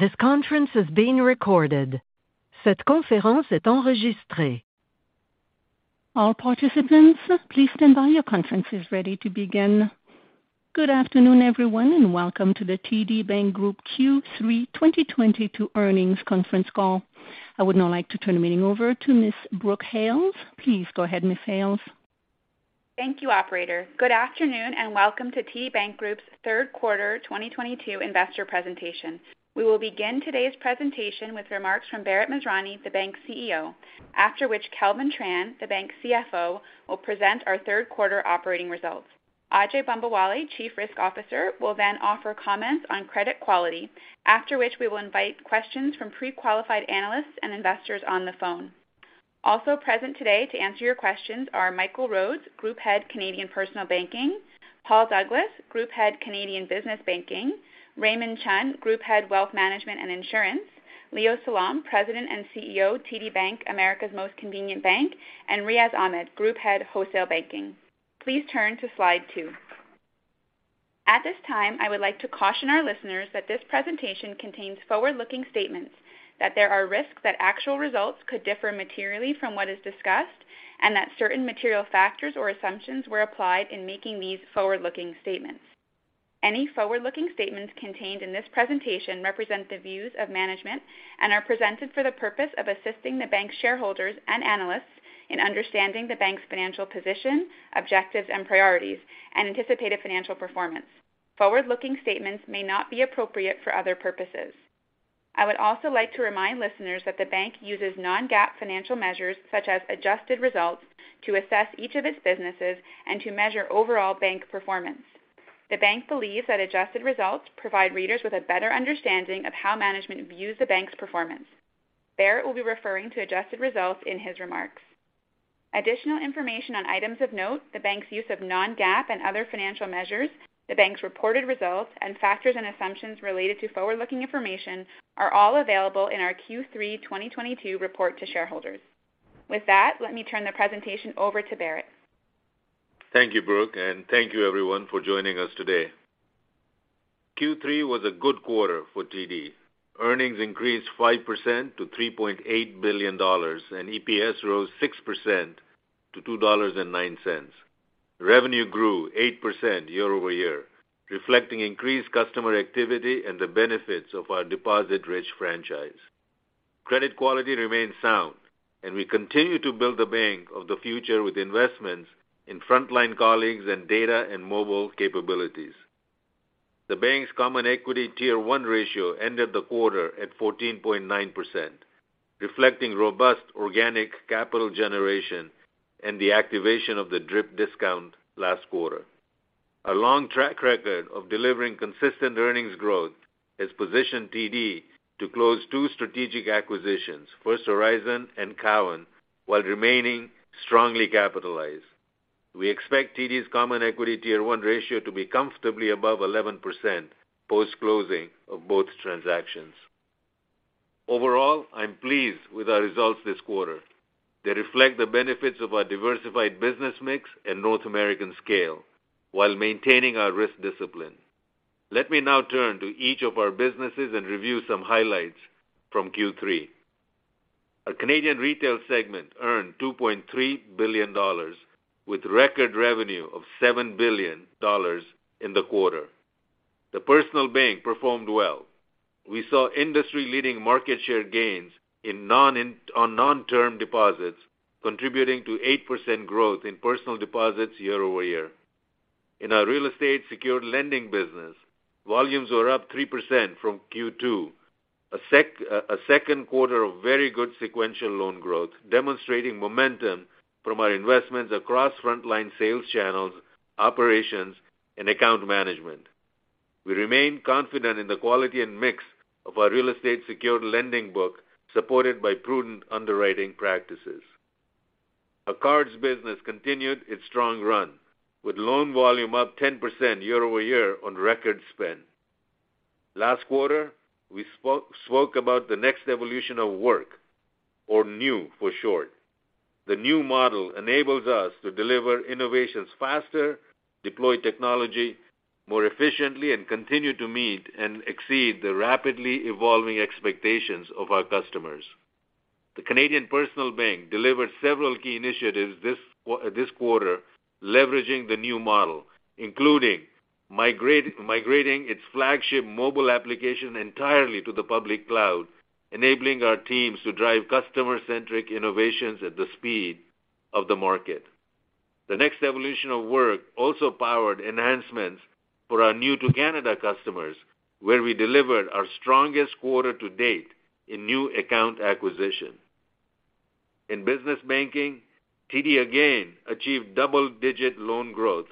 All participants, please stand by. Your conference is ready to begin. Good afternoon, everyone, and welcome to the TD Bank Group Q3 2022 earnings conference call. I would now like to turn the meeting over to Ms. Brooke Hales. Please go ahead, Ms. Hales. Thank you, operator. Good afternoon, and welcome to TD Bank Group's third quarter 2022 investor presentation. We will begin today's presentation with remarks from Bharat Masrani, the bank's CEO, after which Kelvin Tran, the bank's CFO, will present our third quarter operating results. Ajai Bambawale, Chief Risk Officer, will then offer comments on credit quality, after which we will invite questions from pre-qualified analysts and investors on the phone. Also present today to answer your questions are Michael Rhodes, Group Head, Canadian Personal Banking, Paul Douglas, Group Head, Canadian Business Banking, Raymond Chun, Group Head, Wealth Management and Insurance, Leo Salom, President and CEO, TD Bank, America's most convenient bank, and Riaz Ahmed, Group Head, Wholesale Banking. Please turn to slide 2. At this time, I would like to caution our listeners that this presentation contains forward-looking statements, that there are risks that actual results could differ materially from what is discussed, and that certain material factors or assumptions were applied in making these forward-looking statements. Any forward-looking statements contained in this presentation represent the views of management and are presented for the purpose of assisting the bank's shareholders and analysts in understanding the bank's financial position, objectives and priorities, and anticipated financial performance. Forward-looking statements may not be appropriate for other purposes. I would also like to remind listeners that the bank uses non-GAAP financial measures, such as adjusted results, to assess each of its businesses and to measure overall bank performance. The bank believes that adjusted results provide readers with a better understanding of how management views the bank's performance. Bharat will be referring to adjusted results in his remarks. Additional information on items of note, the bank's use of non-GAAP and other financial measures, the bank's reported results, and factors and assumptions related to forward-looking information are all available in our Q3 2022 report to shareholders. With that, let me turn the presentation over to Bharat Masrani. Thank you, Brooke, and thank you everyone for joining us today. Q3 was a good quarter for TD. Earnings increased 5% to 3.8 billion dollars, and EPS rose 6% to 2.09 dollars. Revenue grew 8% year-over-year, reflecting increased customer activity and the benefits of our deposit-rich franchise. Credit quality remains sound, and we continue to build the bank of the future with investments in frontline colleagues and data and mobile capabilities. The bank's Common Equity Tier One ratio ended the quarter at 14.9%, reflecting robust organic capital generation and the activation of the DRIP discount last quarter. Our long track record of delivering consistent earnings growth has positioned TD to close two strategic acquisitions, First Horizon and Cowen, while remaining strongly capitalized. We expect TD's Common Equity Tier One ratio to be comfortably above 11% post-closing of both transactions. Overall, I'm pleased with our results this quarter. They reflect the benefits of our diversified business mix and North American scale while maintaining our risk discipline. Let me now turn to each of our businesses and review some highlights from Q3. Our Canadian retail segment earned 2.3 billion dollars with record revenue of 7 billion dollars in the quarter. The personal bank performed well. We saw industry-leading market share gains on non-term deposits, contributing to 8% growth in personal deposits year-over-year. In our real estate secured lending business, volumes were up 3% from Q2, a second quarter of very good sequential loan growth, demonstrating momentum from our investments across frontline sales channels, operations, and account management. We remain confident in the quality and mix of our real estate secured lending book, supported by prudent underwriting practices. Our cards business continued its strong run, with loan volume up 10% year-over-year on record spend. Last quarter, we spoke about the next evolution of work, or NEW for short. The new model enables us to deliver innovations faster, deploy technology more efficiently, and continue to meet and exceed the rapidly evolving expectations of our customers. The Canadian Personal Bank delivered several key initiatives this quarter, leveraging the new model, including migrating its flagship mobile application entirely to the public cloud, enabling our teams to drive customer-centric innovations at the speed of the market. The next evolution of work also powered enhancements for our new to Canada customers, where we delivered our strongest quarter to date in new account acquisition. In business banking, TD again achieved double-digit loan growth,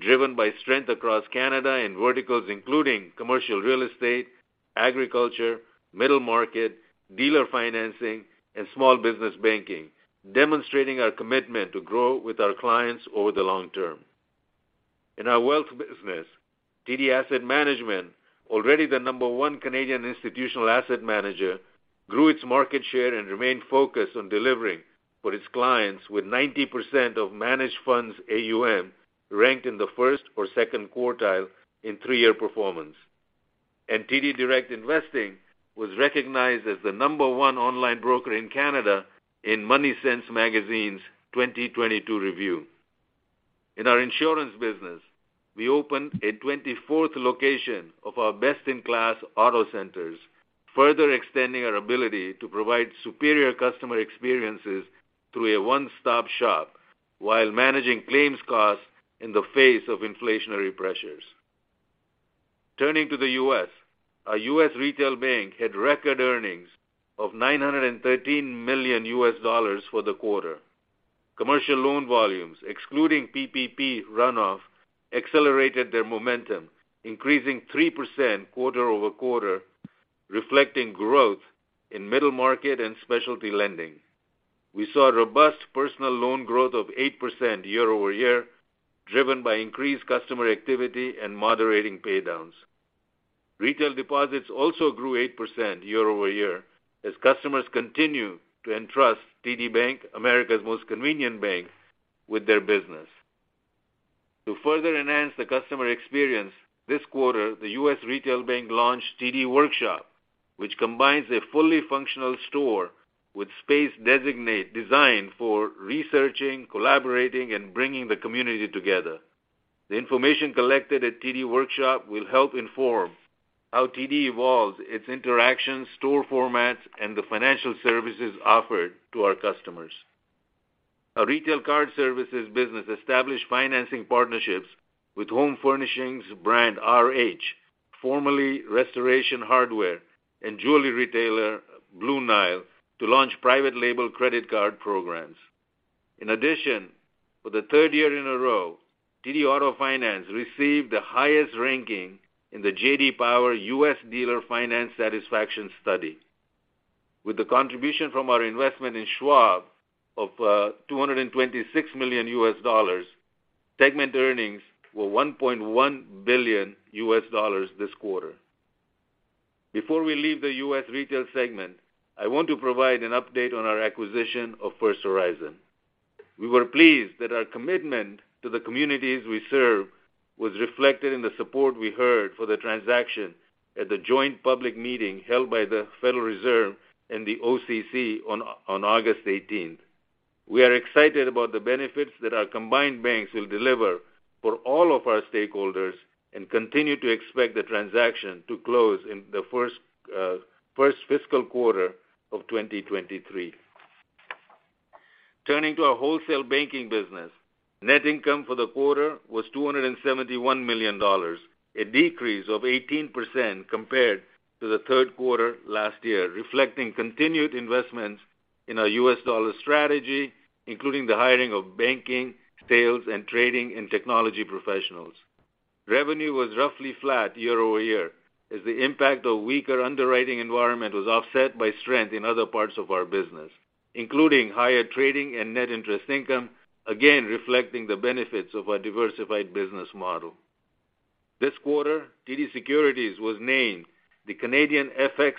driven by strength across Canada and verticals, including commercial real estate, agriculture, middle market, dealer financing, and small business banking, demonstrating our commitment to grow with our clients over the long term. In our wealth business, TD Asset Management, already the number one Canadian institutional asset manager. Grew its market share and remained focused on delivering for its clients with 90% of managed funds AUM ranked in the first or second quartile in three-year performance. TD Direct Investing was recognized as the number one online broker in Canada in MoneySense magazine's 2022 review. In our insurance business, we opened a 24th location of our best-in-class auto centers, further extending our ability to provide superior customer experiences through a one-stop-shop while managing claims costs in the face of inflationary pressures. Turning to the U.S., our U.S. Retail Bank had record earnings of $913 million for the quarter. Commercial loan volumes, excluding PPP runoff, accelerated their momentum, increasing 3% quarter-over-quarter, reflecting growth in middle market and specialty lending. We saw robust personal loan growth of 8% year-over-year, driven by increased customer activity and moderating paydowns. Retail deposits also grew 8% year-over-year as customers continue to entrust TD Bank, America's most convenient bank, with their business. To further enhance the customer experience, this quarter, the U.S. Retail Bank launched TD Workshop, which combines a fully functional store with space designed for researching, collaborating, and bringing the community together. The information collected at TD Workshop will help inform how TD evolves its interactions, store formats, and the financial services offered to our customers. Our retail card services business established financing partnerships with home furnishings brand RH, formerly Restoration Hardware, and jewelry retailer Blue Nile to launch private label credit card programs. In addition, for the third year in a row, TD Auto Finance received the highest ranking in the J.D. Power U.S. Dealer Financing Satisfaction Study. With the contribution from our investment in Schwab of $226 million, segment earnings were $1.1 billion this quarter. Before we leave the U.S. Retail segment, I want to provide an update on our acquisition of First Horizon. We were pleased that our commitment to the communities we serve was reflected in the support we heard for the transaction at the joint public meeting held by the Federal Reserve and the OCC on August 18. We are excited about the benefits that our combined banks will deliver for all of our stakeholders and continue to expect the transaction to close in the first fiscal quarter of 2023. Turning to our Wholesale Banking business, net income for the quarter was 271 million dollars, a decrease of 18% compared to the third quarter last year, reflecting continued investments in our U.S. dollar strategy, including the hiring of banking, sales, and trading and technology professionals. Revenue was roughly flat year-over-year as the impact of weaker underwriting environment was offset by strength in other parts of our business, including higher trading and net interest income, again, reflecting the benefits of our diversified business model. This quarter, TD Securities was named the Canadian FX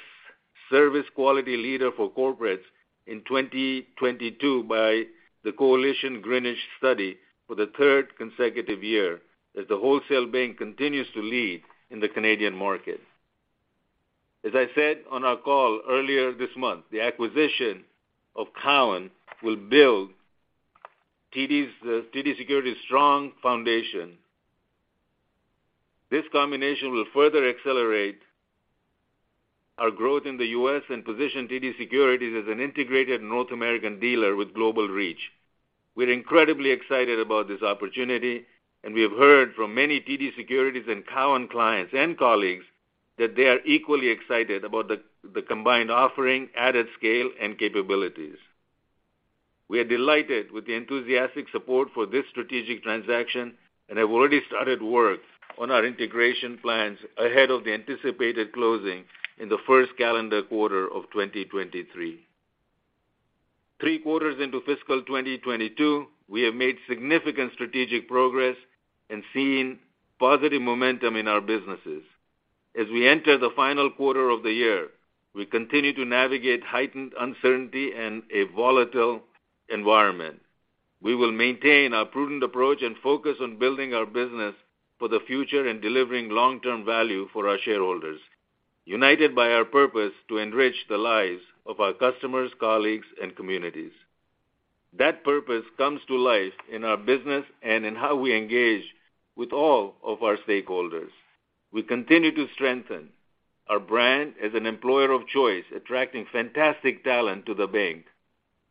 service quality leader for corporates in 2022 by the Coalition Greenwich study for the third consecutive year as the wholesale bank continues to lead in the Canadian market. As I said on our call earlier this month, the acquisition of Cowen will build TD Securities' strong foundation. This combination will further accelerate our growth in the U.S. and position TD Securities as an integrated North American dealer with global reach. We're incredibly excited about this opportunity, and we have heard from many TD Securities and Cowen clients and colleagues that they are equally excited about the combined offering, added scale, and capabilities. We are delighted with the enthusiastic support for this strategic transaction and have already started work on our integration plans ahead of the anticipated closing in the first calendar quarter of 2023. Three quarters into fiscal 2022, we have made significant strategic progress and seen positive momentum in our businesses. As we enter the final quarter of the year, we continue to navigate heightened uncertainty and a volatile environment. We will maintain our prudent approach and focus on building our business for the future and delivering long-term value for our shareholders, united by our purpose to enrich the lives of our customers, colleagues, and communities. That purpose comes to life in our business and in how we engage with all of our stakeholders. We continue to strengthen our brand as an employer of choice, attracting fantastic talent to the bank.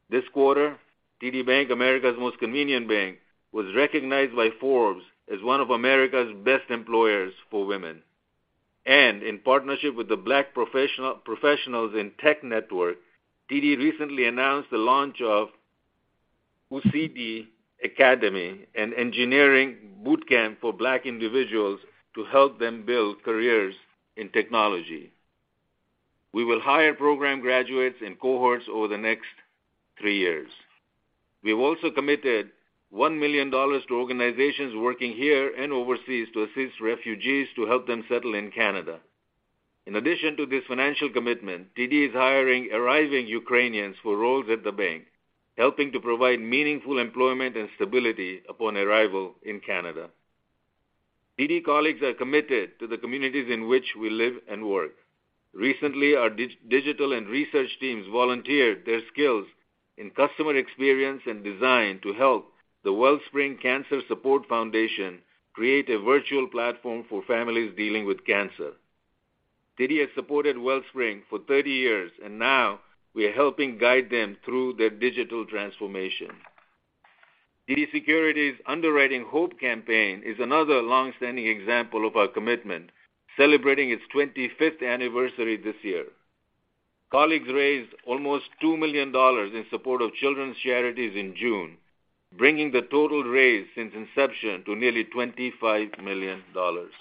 This quarter, TD Bank, America's most convenient bank, was recognized by Forbes as one of America's best employers for women. In partnership with the Black Professionals in Tech Network, TD recently announced the launch of Obsidi Academy, an engineering boot camp for Black individuals to help them build careers in technology. We will hire program graduates and cohorts over the next three years. We've also committed 1 million dollars to organizations working here and overseas to assist refugees to help them settle in Canada. In addition to this financial commitment, TD is hiring arriving Ukrainians for roles at the bank, helping to provide meaningful employment and stability upon arrival in Canada. TD colleagues are committed to the communities in which we live and work. Recently, our digital and research teams volunteered their skills in customer experience and design to help the Wellspring Cancer Support Foundation create a virtual platform for families dealing with cancer. TD has supported Wellspring for 30 years, and now we are helping guide them through their digital transformation. TD Securities' Underwriting Hope campaign is another long-standing example of our commitment, celebrating its 25th anniversary this year. Colleagues raised almost 2 million dollars in support of children's charities in June, bringing the total raised since inception to nearly 25 million dollars.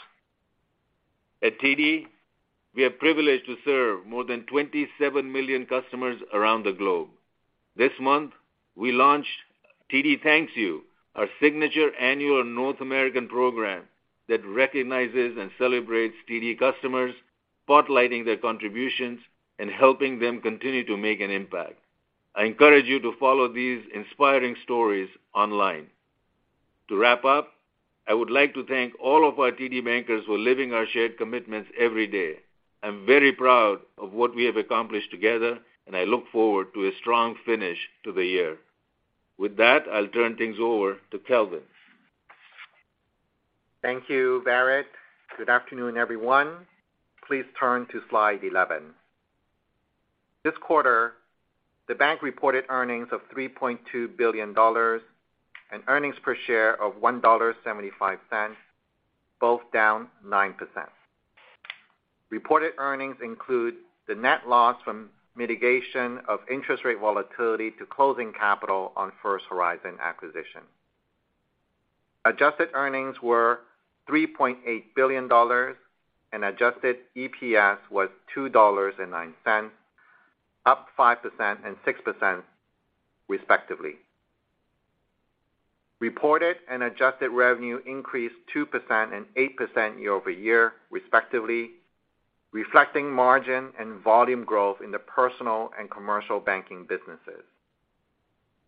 At TD, we are privileged to serve more than 27 million customers around the globe. This month, we launched TD Thanks You, our signature annual North American program that recognizes and celebrates TD customers, spotlighting their contributions and helping them continue to make an impact. I encourage you to follow these inspiring stories online. To wrap up, I would like to thank all of our TD Bankers who are living our shared commitments every day. I'm very proud of what we have accomplished together, and I look forward to a strong finish to the year. With that, I'll turn things over to Kelvin. Thank you, Bharat. Good afternoon, everyone. Please turn to slide 11. This quarter, the bank reported earnings of 3.2 billion dollars and earnings per share of 1.75 dollar, both down 9%. Reported earnings include the net loss from mitigation of interest rate volatility to closing capital on First Horizon acquisition. Adjusted earnings were 3.8 billion dollars, and adjusted EPS was 2.09 dollars, up 5% and 6% respectively. Reported and adjusted revenue increased 2% and 8% year-over-year, respectively, reflecting margin and volume growth in the personal and commercial banking businesses.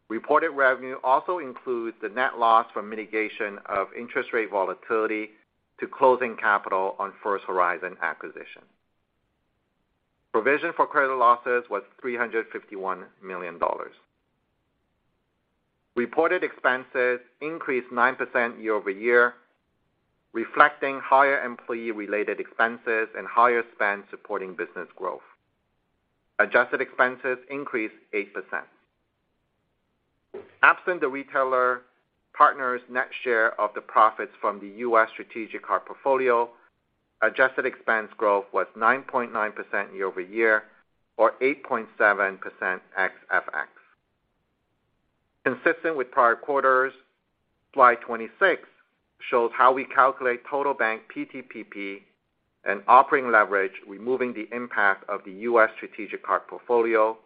Reported revenue also includes the net loss from mitigation of interest rate volatility to closing capital on First Horizon acquisition. Provision for credit losses was 351 million dollars. Reported expenses increased 9% year-over-year, reflecting higher employee-related expenses and higher spend supporting business growth. Adjusted expenses increased 8%. Absent the retailer partners' net share of the profits from the U.S. strategic cards portfolio, adjusted expense growth was 9.9% year-over-year, or 8.7% ex FX. Consistent with prior quarters, slide 26 shows how we calculate total bank PTPP and operating leverage, removing the impact of the U.S. strategic cards portfolio,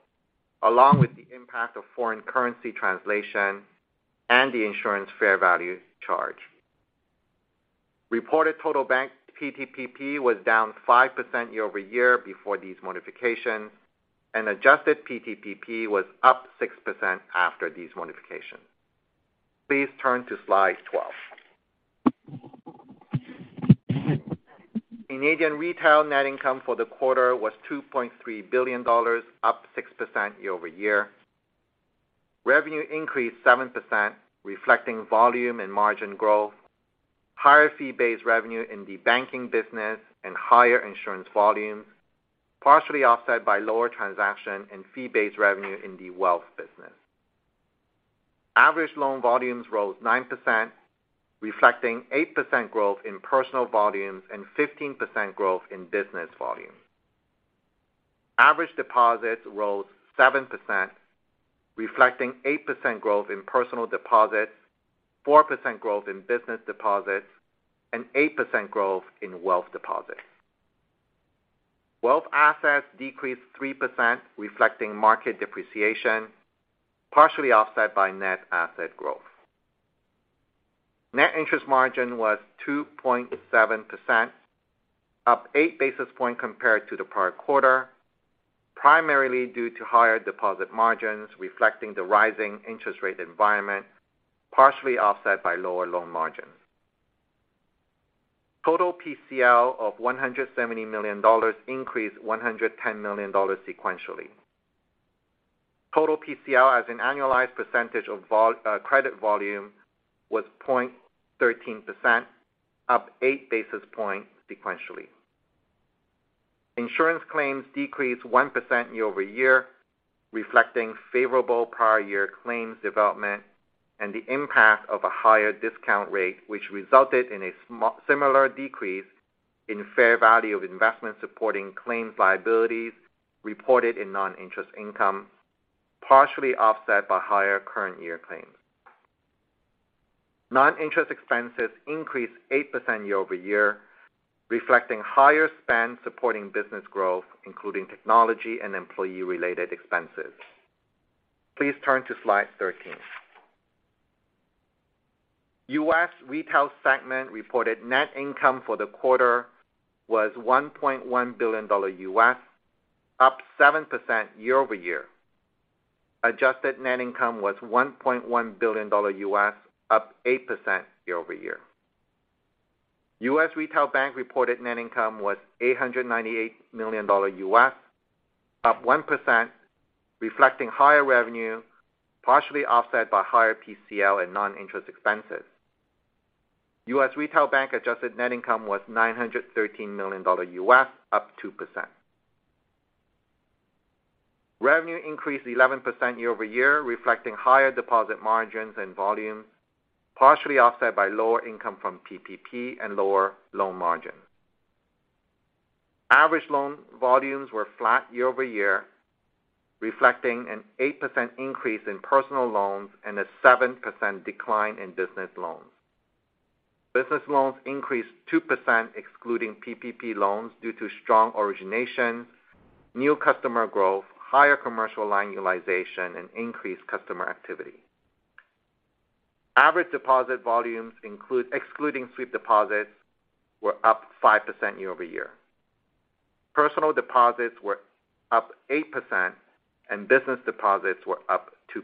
along with the impact of foreign currency translation and the insurance fair value charge. Reported total bank PTPP was down 5% year-over-year before these modifications, and adjusted PTPP was up 6% after these modifications. Please turn to slide 12. Canadian retail net income for the quarter was 2.3 billion dollars, up 6% year-over-year. Revenue increased 7%, reflecting volume and margin growth, higher fee-based revenue in the banking business, and higher insurance volumes, partially offset by lower transaction and fee-based revenue in the wealth business. Average loan volumes rose 9%, reflecting 8% growth in personal volumes and 15% growth in business volumes. Average deposits rose 7%, reflecting 8% growth in personal deposits, 4% growth in business deposits, and 8% growth in wealth deposits. Wealth assets decreased 3%, reflecting market depreciation, partially offset by net asset growth. Net interest margin was 2.7%, up 8 basis points compared to the prior quarter, primarily due to higher deposit margins reflecting the rising interest rate environment, partially offset by lower loan margins. Total PCL of 170 million dollars increased 110 million dollars sequentially. Total PCL as an annualized percentage of credit volume was 0.13%, up 8 basis points sequentially. Insurance claims decreased 1% year-over-year, reflecting favorable prior year claims development and the impact of a higher discount rate, which resulted in a similar decrease in fair value of investments supporting claims liabilities reported in non-interest income, partially offset by higher current year claims. Non-interest expenses increased 8% year-over-year, reflecting higher spend supporting business growth, including technology and employee-related expenses. Please turn to slide 13. U.S. Retail segment reported net income for the quarter was $1.1 billion, up 7% year-over-year. Adjusted net income was $1.1 billion, up 8% year-over-year. U.S. Retail Bank reported net income was $898 million, up 1%, reflecting higher revenue, partially offset by higher PCL and non-interest expenses. U.S. Retail Bank adjusted net income was $913 million, up 2%. Revenue increased 11% year-over-year, reflecting higher deposit margins and volumes, partially offset by lower income from PPP and lower loan margins. Average loan volumes were flat year-over-year, reflecting an 8% increase in personal loans and a 7% decline in business loans. Business loans increased 2% excluding PPP loans due to strong origination, new customer growth, higher commercial line utilization, and increased customer activity. Average deposit volumes excluding sweep deposits were up 5% year-over-year. Personal deposits were up 8% and business deposits were up 2%.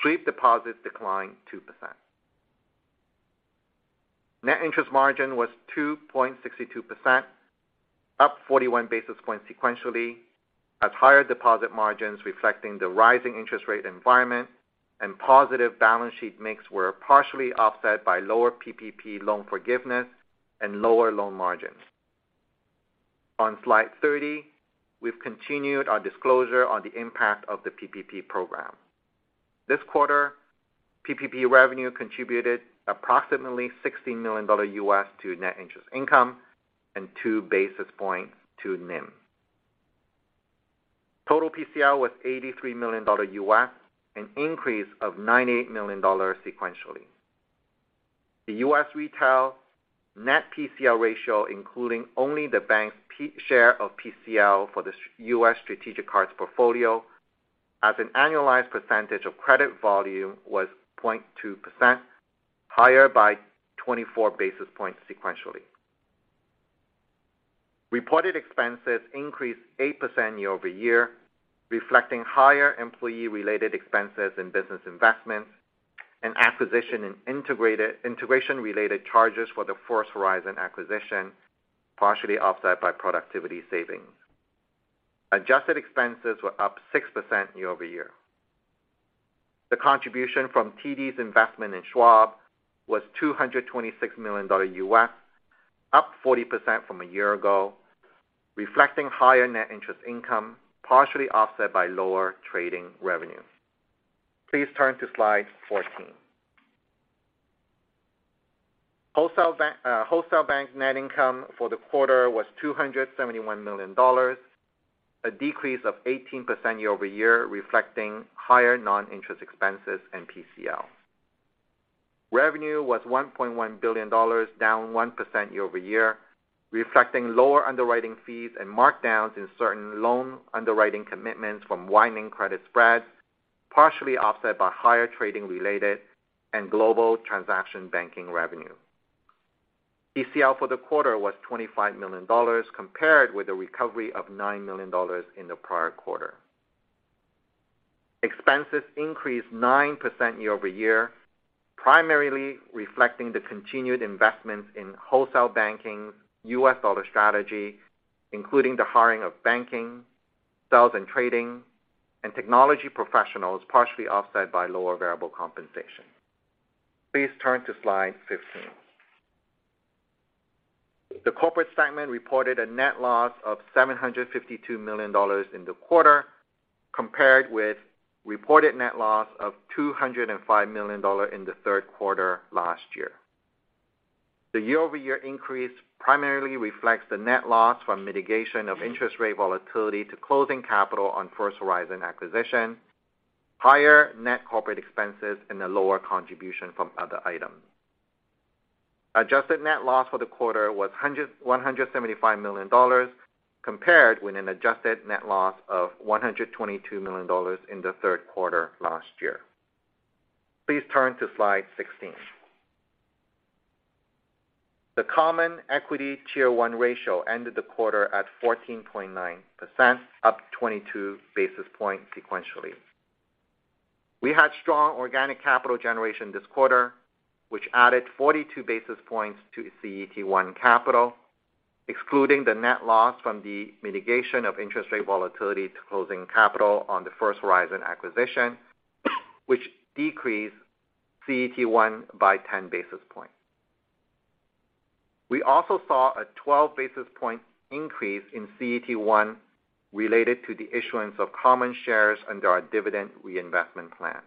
Sweep deposits declined 2%. Net interest margin was 2.62%, up 41 basis points sequentially, as higher deposit margins reflecting the rising interest rate environment and positive balance sheet mix were partially offset by lower PPP loan forgiveness and lower loan margins. On slide 30, we've continued our disclosure on the impact of the PPP program. This quarter, PPP revenue contributed approximately $60 million to net interest income and 2 basis points to NIM. Total PCL was $83 million, an increase of $98 million sequentially. The U.S. Retail net PCL ratio, including only the bank's share of PCL for the U.S. strategic cards portfolio as an annualized percentage of credit volume was 0.2%, higher by 24 basis points sequentially. Reported expenses increased 8% year-over-year, reflecting higher employee-related expenses in business investments and acquisition in integration-related charges for the First Horizon acquisition, partially offset by productivity savings. Adjusted expenses were up 6% year-over-year. The contribution from TD's investment in Schwab was $226 million, up 40% from a year ago, reflecting higher net interest income, partially offset by lower trading revenue. Please turn to slide 14. Wholesale Banking net income for the quarter was 271 million dollars, a decrease of 18% year-over-year, reflecting higher non-interest expenses and PCL. Revenue was 1.1 billion dollars, down 1% year-over-year, reflecting lower underwriting fees and markdowns in certain loan underwriting commitments from widening credit spreads, partially offset by higher trading-related and global transaction banking revenue. ECL for the quarter was 25 million dollars, compared with a recovery of 9 million dollars in the prior quarter. Expenses increased 9% year-over-year, primarily reflecting the continued investments in wholesale banking, U.S. dollar strategy, including the hiring of banking, sales and trading, and technology professionals, partially offset by lower variable compensation. Please turn to slide 15. The corporate segment reported a net loss of 752 million dollars in the quarter, compared with reported net loss of 205 million dollars in the third quarter last year. The year-over-year increase primarily reflects the net loss from mitigation of interest rate volatility to closing capital on First Horizon acquisition, higher net corporate expenses, and a lower contribution from other items. Adjusted net loss for the quarter was 175 million dollars, compared with an adjusted net loss of 122 million dollars in the third quarter last year. Please turn to slide 16. The Common Equity Tier One ratio ended the quarter at 14.9%, up 22 basis points sequentially. We had strong organic capital generation this quarter, which added 42 basis points to CET1 capital, excluding the net loss from the mitigation of interest rate volatility to closing capital on the First Horizon acquisition, which decreased CET1 by 10 basis points. We also saw a 12 basis point increase in CET1 related to the issuance of common shares under our dividend reinvestment plan.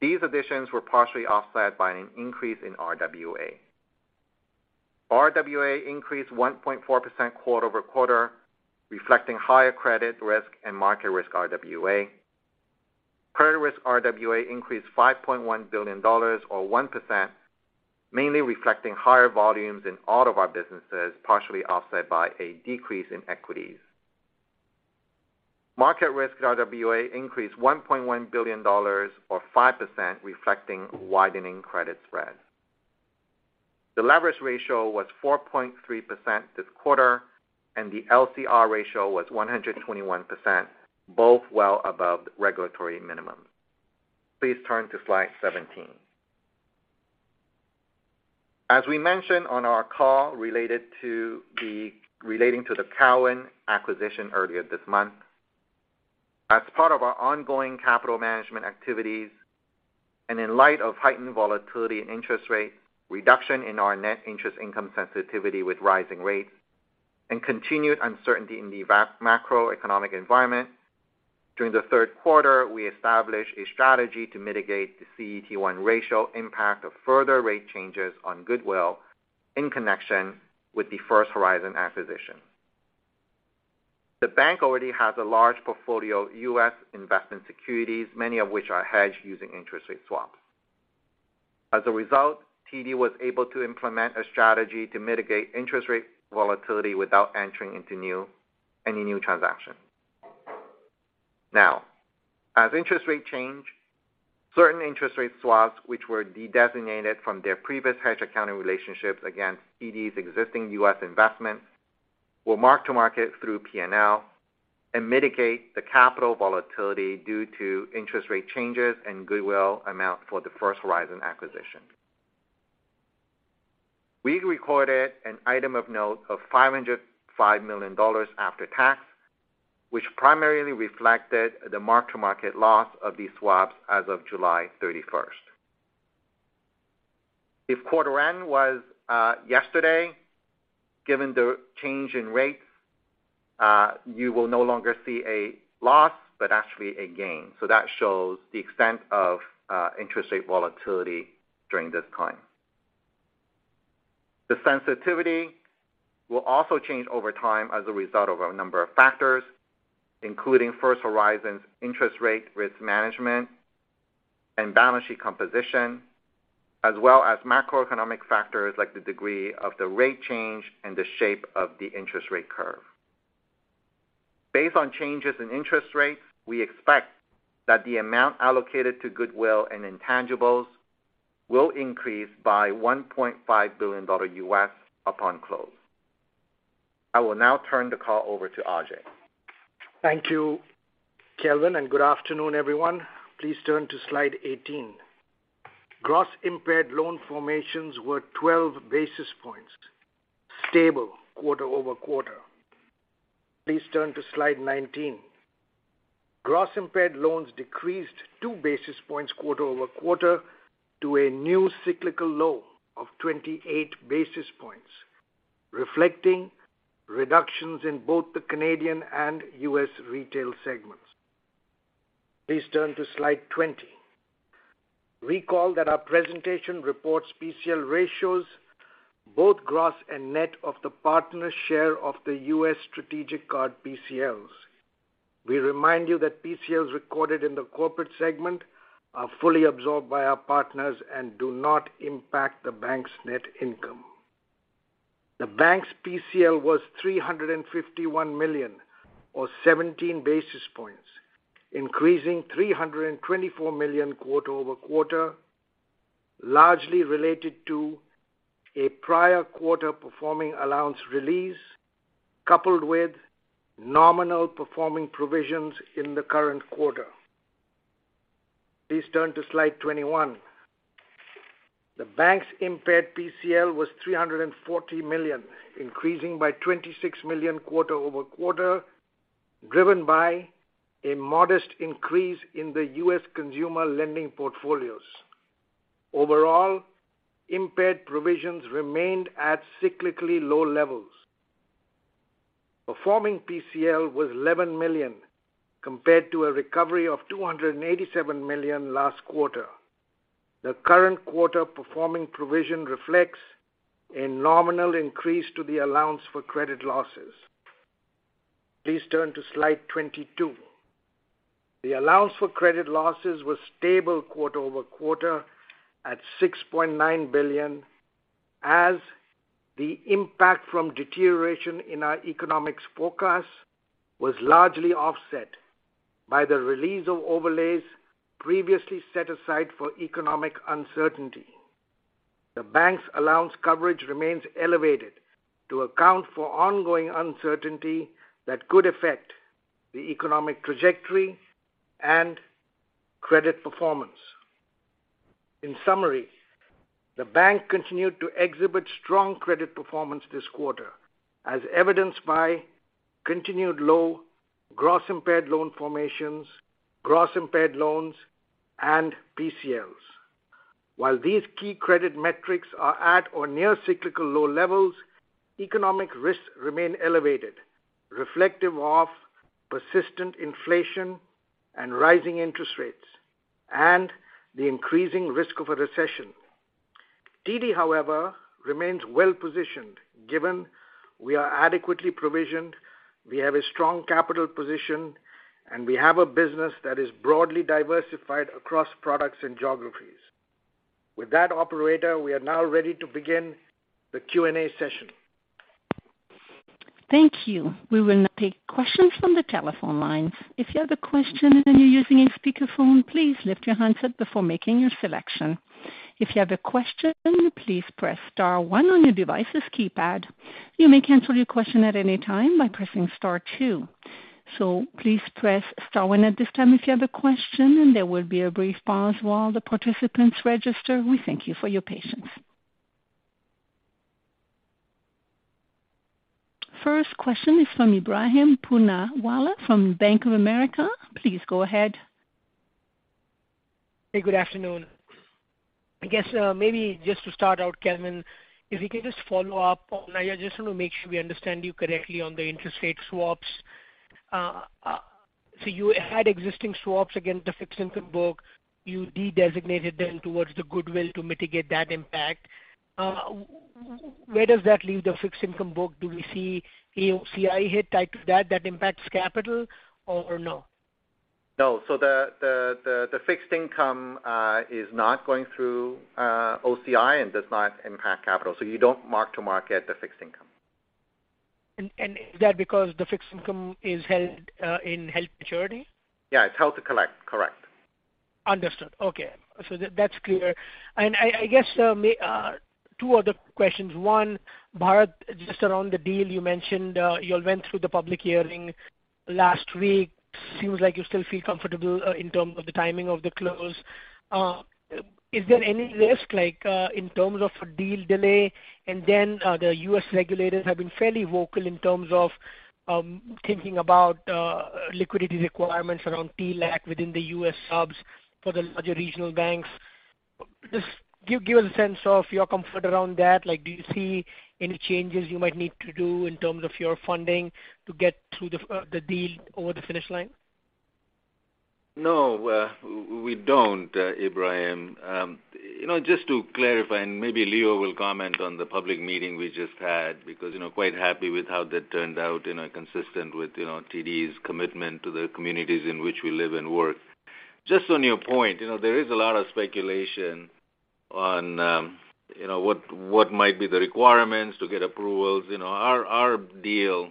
These additions were partially offset by an increase in RWA. RWA increased 1.4% quarter-over-quarter, reflecting higher credit risk and market risk RWA. Credit risk RWA increased 5.1 billion dollars or 1%, mainly reflecting higher volumes in all of our businesses, partially offset by a decrease in equities. Market risk RWA increased 1.1 billion dollars or 5%, reflecting widening credit spreads. The leverage ratio was 4.3% this quarter, and the LCR ratio was 121%, both well above regulatory minimums. Please turn to slide 17. As we mentioned on our call relating to the Cowen acquisition earlier this month, as part of our ongoing capital management activities and in light of heightened volatility in interest rates, reduction in our net interest income sensitivity with rising rates, and continued uncertainty in the vast macroeconomic environment, during the third quarter, we established a strategy to mitigate the CET1 ratio impact of further rate changes on goodwill in connection with the First Horizon acquisition. The bank already has a large portfolio of U.S. investment securities, many of which are hedged using interest rate swaps. As a result, TD was able to implement a strategy to mitigate interest rate volatility without entering into any new transaction. As interest rates change, certain interest rate swaps which were de-designated from their previous hedge accounting relationships against TD's existing U.S. investments will mark-to-market through P&L and mitigate the capital volatility due to interest rate changes and goodwill amount for the First Horizon acquisition. We recorded an item of note of 505 million dollars after tax, which primarily reflected the mark-to-market loss of these swaps as of July thirty-first. If quarter end were yesterday, given the change in rates, you will no longer see a loss, but actually a gain. That shows the extent of interest rate volatility during this time. The sensitivity will also change over time as a result of a number of factors, including First Horizon's interest rate risk management and balance sheet composition, as well as macroeconomic factors like the degree of the rate change and the shape of the interest rate curve. Based on changes in interest rates, we expect that the amount allocated to goodwill and intangibles will increase by $1.5 billion upon close. I will now turn the call over to Ajai. Thank you, Kelvin, and good afternoon, everyone. Please turn to slide 18. Gross impaired loan formations were 12 basis points, stable quarter-over-quarter. Please turn to slide 19. Gross impaired loans decreased 2 basis points quarter-over-quarter to a new cyclical low of 28 basis points, reflecting reductions in both the Canadian and U.S. retail segments. Please turn to slide 20. Recall that our presentation reports PCL ratios, both gross and net, of the partner's share of the U.S. strategic card PCLs. We remind you that PCLs recorded in the corporate segment are fully absorbed by our partners and do not impact the bank's net income. The bank's PCL was 351 million or 17 basis points, increasing 324 million quarter-over-quarter, largely related to a prior quarter performing allowance release coupled with nominal performing provisions in the current quarter. Please turn to slide 21. The bank's impaired PCL was 340 million, increasing by 26 million quarter-over-quarter, driven by a modest increase in the U.S. consumer lending portfolios. Overall, impaired provisions remained at cyclically low levels. Performing PCL was 11 million compared to a recovery of 287 million last quarter. The current quarter performing provision reflects a nominal increase to the allowance for credit losses. Please turn to slide 22. The allowance for credit losses was stable quarter-over-quarter at 6.9 billion as the impact from deterioration in our economic forecast was largely offset by the release of overlays previously set aside for economic uncertainty. The bank's allowance coverage remains elevated to account for ongoing uncertainty that could affect the economic trajectory and credit performance. In summary, the bank continued to exhibit strong credit performance this quarter, as evidenced by continued low gross impaired loan formations, gross impaired loans, and PCLs. While these key credit metrics are at or near cyclical low levels. Economic risks remain elevated, reflective of persistent inflation and rising interest rates and the increasing risk of a recession. TD, however, remains well-positioned given we are adequately provisioned, we have a strong capital position, and we have a business that is broadly diversified across products and geographies. With that, operator, we are now ready to begin the Q&A session. Thank you. We will now take questions from the telephone line. If you have a question and you're using a speakerphone, please lift your handset before making your selection. If you have a question, please press star one on your device's keypad. You may cancel your question at any time by pressing star two. Please press star one at this time if you have a question, and there will be a brief pause while the participants register. We thank you for your patience. First question is from Ebrahim Poonawala from Bank of America. Please go ahead. Good afternoon. Maybe just to start out, Kelvin, I just want to make sure we understand you correctly on the interest rate swaps. You had existing swaps against the fixed income book. You de-designated them towards the goodwill to mitigate that impact. Where does that leave the fixed income book? Do we see AOCI hit tied to that that impacts capital, or no? No. The fixed income is not going through OCI and does not impact capital. You don't mark to market the fixed income. Is that because the fixed income is held-to-maturity? Yeah, it's held to collect. Correct. Understood. Okay. That's clear. Maybe two other questions. One, Bharat, just around the deal you mentioned, you all went through the public hearing last week. Seems like you still feel comfortable in terms of the timing of the close. Is there any risk, like, in terms of a deal delay? The U.S. regulators have been fairly vocal in terms of thinking about liquidity requirements around TLAC within the U.S. subs for the larger regional banks. Just give us a sense of your comfort around that. Like, do you see any changes you might need to do in terms of your funding to get through the deal over the finish line? No, we don't, Ebrahim. Just to clarify, maybe Leo will comment on the public meeting we just had, because quite happy with how that turned out consistent with TD's commitment to the communities in which we live and work. Just on your point there is a lot of speculation on what might be the requirements to get approvals. Our deal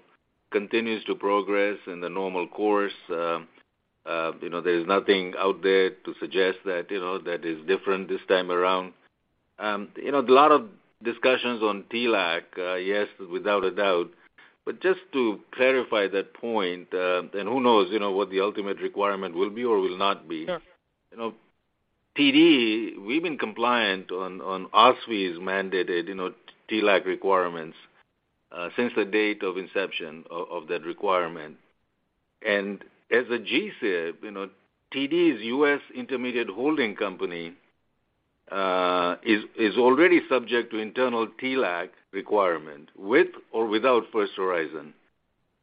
continues to progress in the normal course. There's nothing out there to suggest tthat is different this time around. A lot of discussions on TLAC, yes, without a doubt. Just to clarify that point, and who knows what the ultimate requirement will be or will not be. Sure. TD, we've been compliant on OSFI's mandated TLAC requirements since the date of inception of that requirement. As a GSIB, TD's U.S. intermediate holding company is already subject to internal TLAC requirement with or without First Horizon,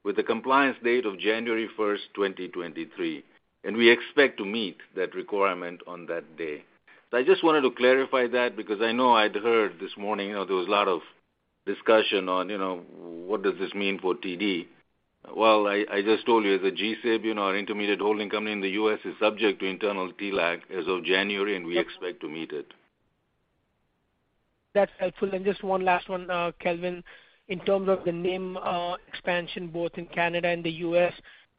with a compliance date of January 1, 2023. We expect to meet that requirement on that day. I just wanted to clarify that because I know I'd heard this morning there was a lot of discussion on what does this mean for TD. I just told you, as a GSIB our intermediate holding company in the U.S. is subject to internal TLAC as of January, and we expect to meet it. That's helpful. Just one last one, Kelvin. In terms of the NIM, expansion both in Canada and the U.S.,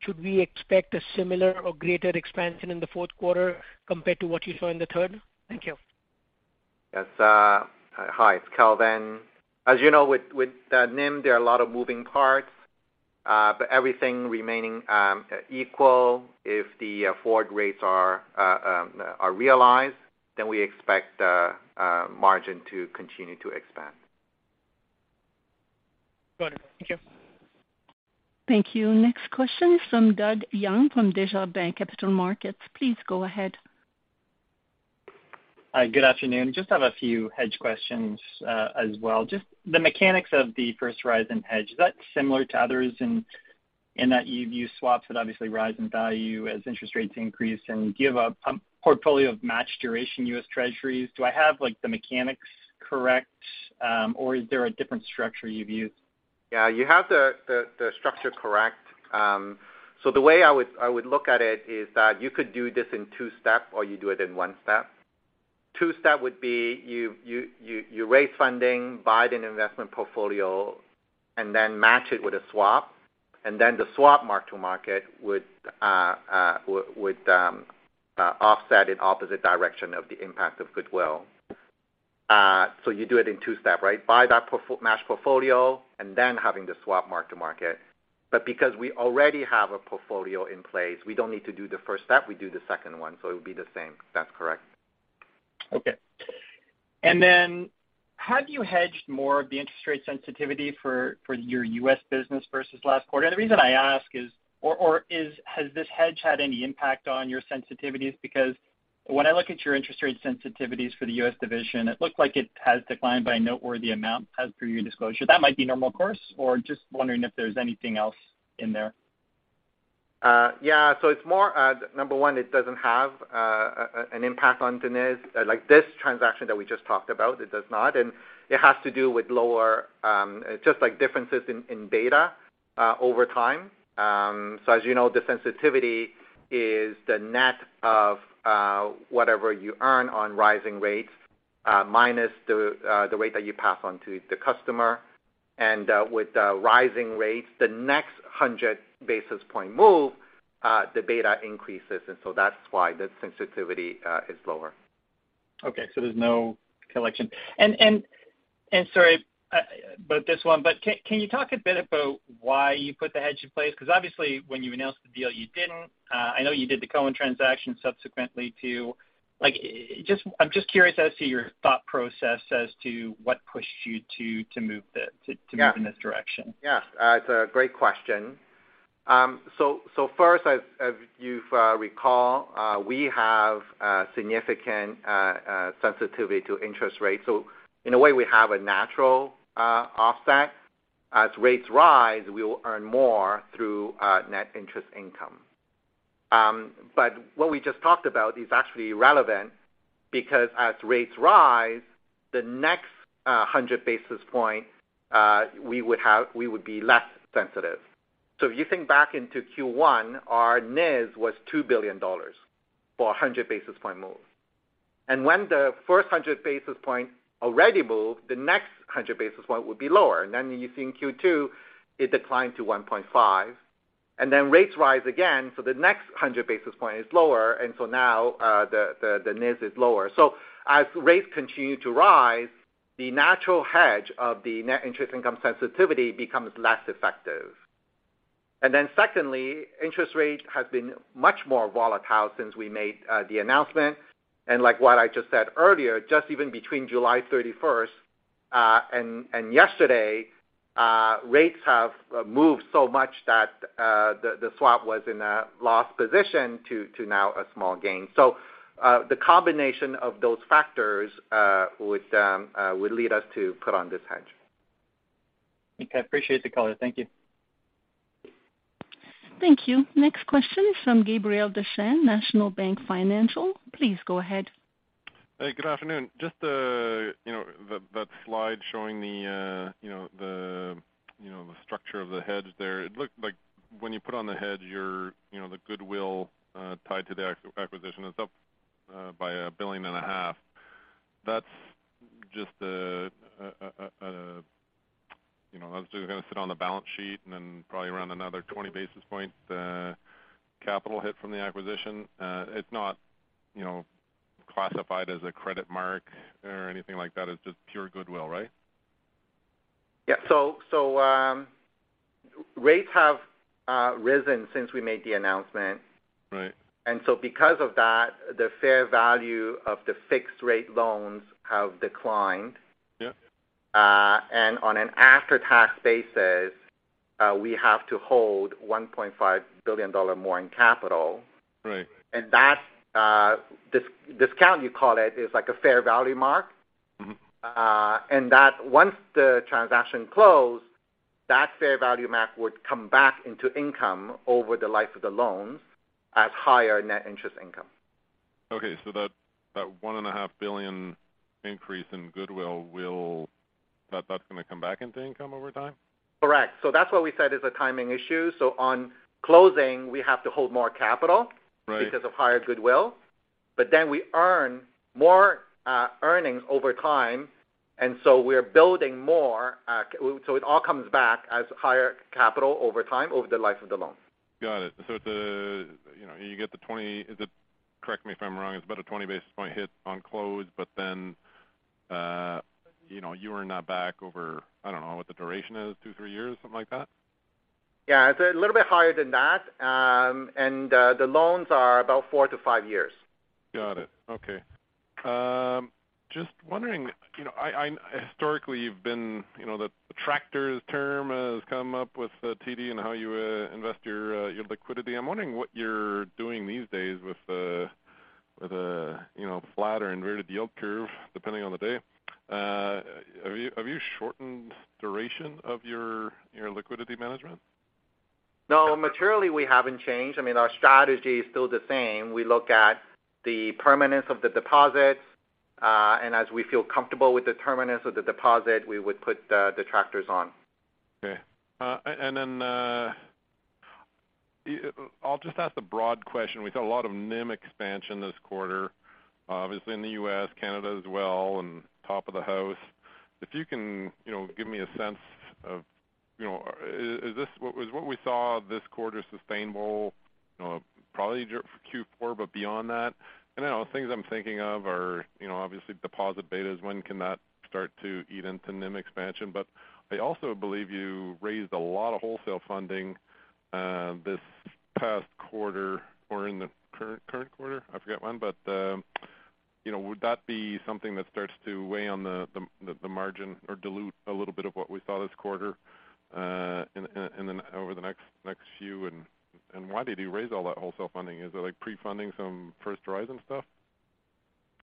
should we expect a similar or greater expansion in the fourth quarter compared to what you saw in the third? Thank you. Yes. Hi, it's Kelvin. As you know, with NIM, there are a lot of moving parts. Everything remaining equal, if the forward rates are realized, then we expect the margin to continue to expand. Got it. Thank you. Thank you. Next question is from Doug Young from Desjardins Capital Markets. Please go ahead. Hi. Good afternoon. Just have a few hedge questions as well. Just the mechanics of the First Horizon hedge, is that similar to others in that you've used swaps that obviously rise in value as interest rates increase and give a portfolio of matched duration U.S. Treasuries? Do I have, like, the mechanics correct, or is there a different structure you've used? Yeah. You have the structure correct. The way I would look at it is that you could do this in two-step, or you do it in one-step. Two-step would be you raise funding, buy an investment portfolio, and then match it with a swap. The swap mark-to-market would offset in opposite direction of the impact of goodwill. You do it in two-step. Buy that match portfolio and then having the swap mark-to-market. Because we already have a portfolio in place, we don't need to do the first step, we do the second one. It would be the same. That's correct. Okay. Then have you hedged more of the interest rate sensitivity for your U.S. business versus last quarter? The reason I ask is or has this hedge had any impact on your sensitivities? When I look at your interest rate sensitivities for the U.S. division, it looks like it has declined by a noteworthy amount as per your disclosure. That might be normal course or just wondering if there's anything else in there. It's more, number one, it doesn't have an impact on the NII, like this transaction that we just talked about, it does not. It has to do with lower, just like differences in beta over time. The sensitivity is the net of whatever you earn on rising rates minus the rate that you pass on to the customer. With the rising rates, the next 100 basis point move, the beta increases. That's why the sensitivity is lower. Okay. There's no collection. Sorry, but this one, but can you talk a bit about why you put the hedge in place? Because obviously when you announced the deal, you didn't. I know you did the Cowen transaction subsequently too. Like, I'm just curious as to your thought process as to what pushed you to move the. Yeah. to move in this direction. Yeah. It's a great question. First, as you recall, we have significant sensitivity to interest rates. In a way, we have a natural offset. As rates rise, we will earn more through net interest income. But what we just talked about is actually relevant because as rates rise, the next 100 basis points, we would be less sensitive. If you think back into Q1, our NII was 2 billion dollars for a 100 basis points move. When the first 100 basis points already moved, the next 100 basis points would be lower. You think Q2, it declined to 1.5 billion. Rates rise again, so the next 100 basis points is lower. Now, the NII is lower. As rates continue to rise, the natural hedge of the net interest income sensitivity becomes less effective. Then secondly, interest rate has been much more volatile since we made the announcement. Like what I just said earlier, just even between July 31 and yesterday, rates have moved so much that the swap was in a loss position to now a small gain. The combination of those factors would lead us to put on this hedge. Okay. I appreciate the color. Thank you. Thank you. Next question is from Gabriel Dechaine, National Bank Financial. Please go ahead. Good afternoon. Just that slide showing the structure of the hedge there, it looked like when you put on the hedge, the goodwill tied to the acquisition is up by 1.5 billion. That's just gonna sit on the balance sheet and then probably around another 20 basis points capital hit from the acquisition. It's not classified as a credit mark or anything like that. It's just pure goodwill. Yeah. Rates have risen since we made the announcement. Right. Because of that, the fair value of the fixed rate loans have declined. Yeah. On an after-tax basis, we have to hold $1.5 billion more in capital. Right. That discount you call it is like a fair value mark. Mm-hmm. Once the transaction closed, that fair value mark would come back into income over the life of the loans as higher net interest income. That 1.5 billion increase in goodwill, that's gonna come back into income over time? Correct. That's why we said it's a timing issue. On closing, we have to hold more capital. Right. Because of higher goodwill. We earn more earnings over time, and so we're building more. It all comes back as higher capital over time over the life of the loan. Got it. Is it, correct me if I'm wrong, it's about a 20 basis point hit on close, but then you are not back over, I don't know what the duration is, 2, 3 years, something like that? Yeah. It's a little bit higher than that. The loans are about 4-5 years. Got it. Okay. Just wondering, historically, you've been the tractor's term has come up with TD and how you invest your liquidity. I'm wondering what you're doing these days with the flat or inverted yield curve, depending on the day. Have you shortened duration of your liquidity management? No, materially, we haven't changed. Our strategy is still the same. We look at the permanence of the deposits, and as we feel comfortable with the permanence of the deposit, we would put the tractors on. Okay. Then, I'll just ask the broad question. We saw a lot of NIM expansion this quarter, obviously in the U.S., Canada as well, and top of the house. If you can, give me a sense of is what we saw this quarter sustainable probably for Q4, but beyond that? I know things I'm thinking of are obviously deposit betas. When can that start to eat into NIM expansion? But I also believe you raised a lot of wholesale funding, this past quarter or in the current quarter. I forget when, but would that be something that starts to weigh on the margin or dilute a little bit of what we saw this quarter, over the next few? Why did you raise all that wholesale funding? Is it like pre-funding some First Horizon stuff?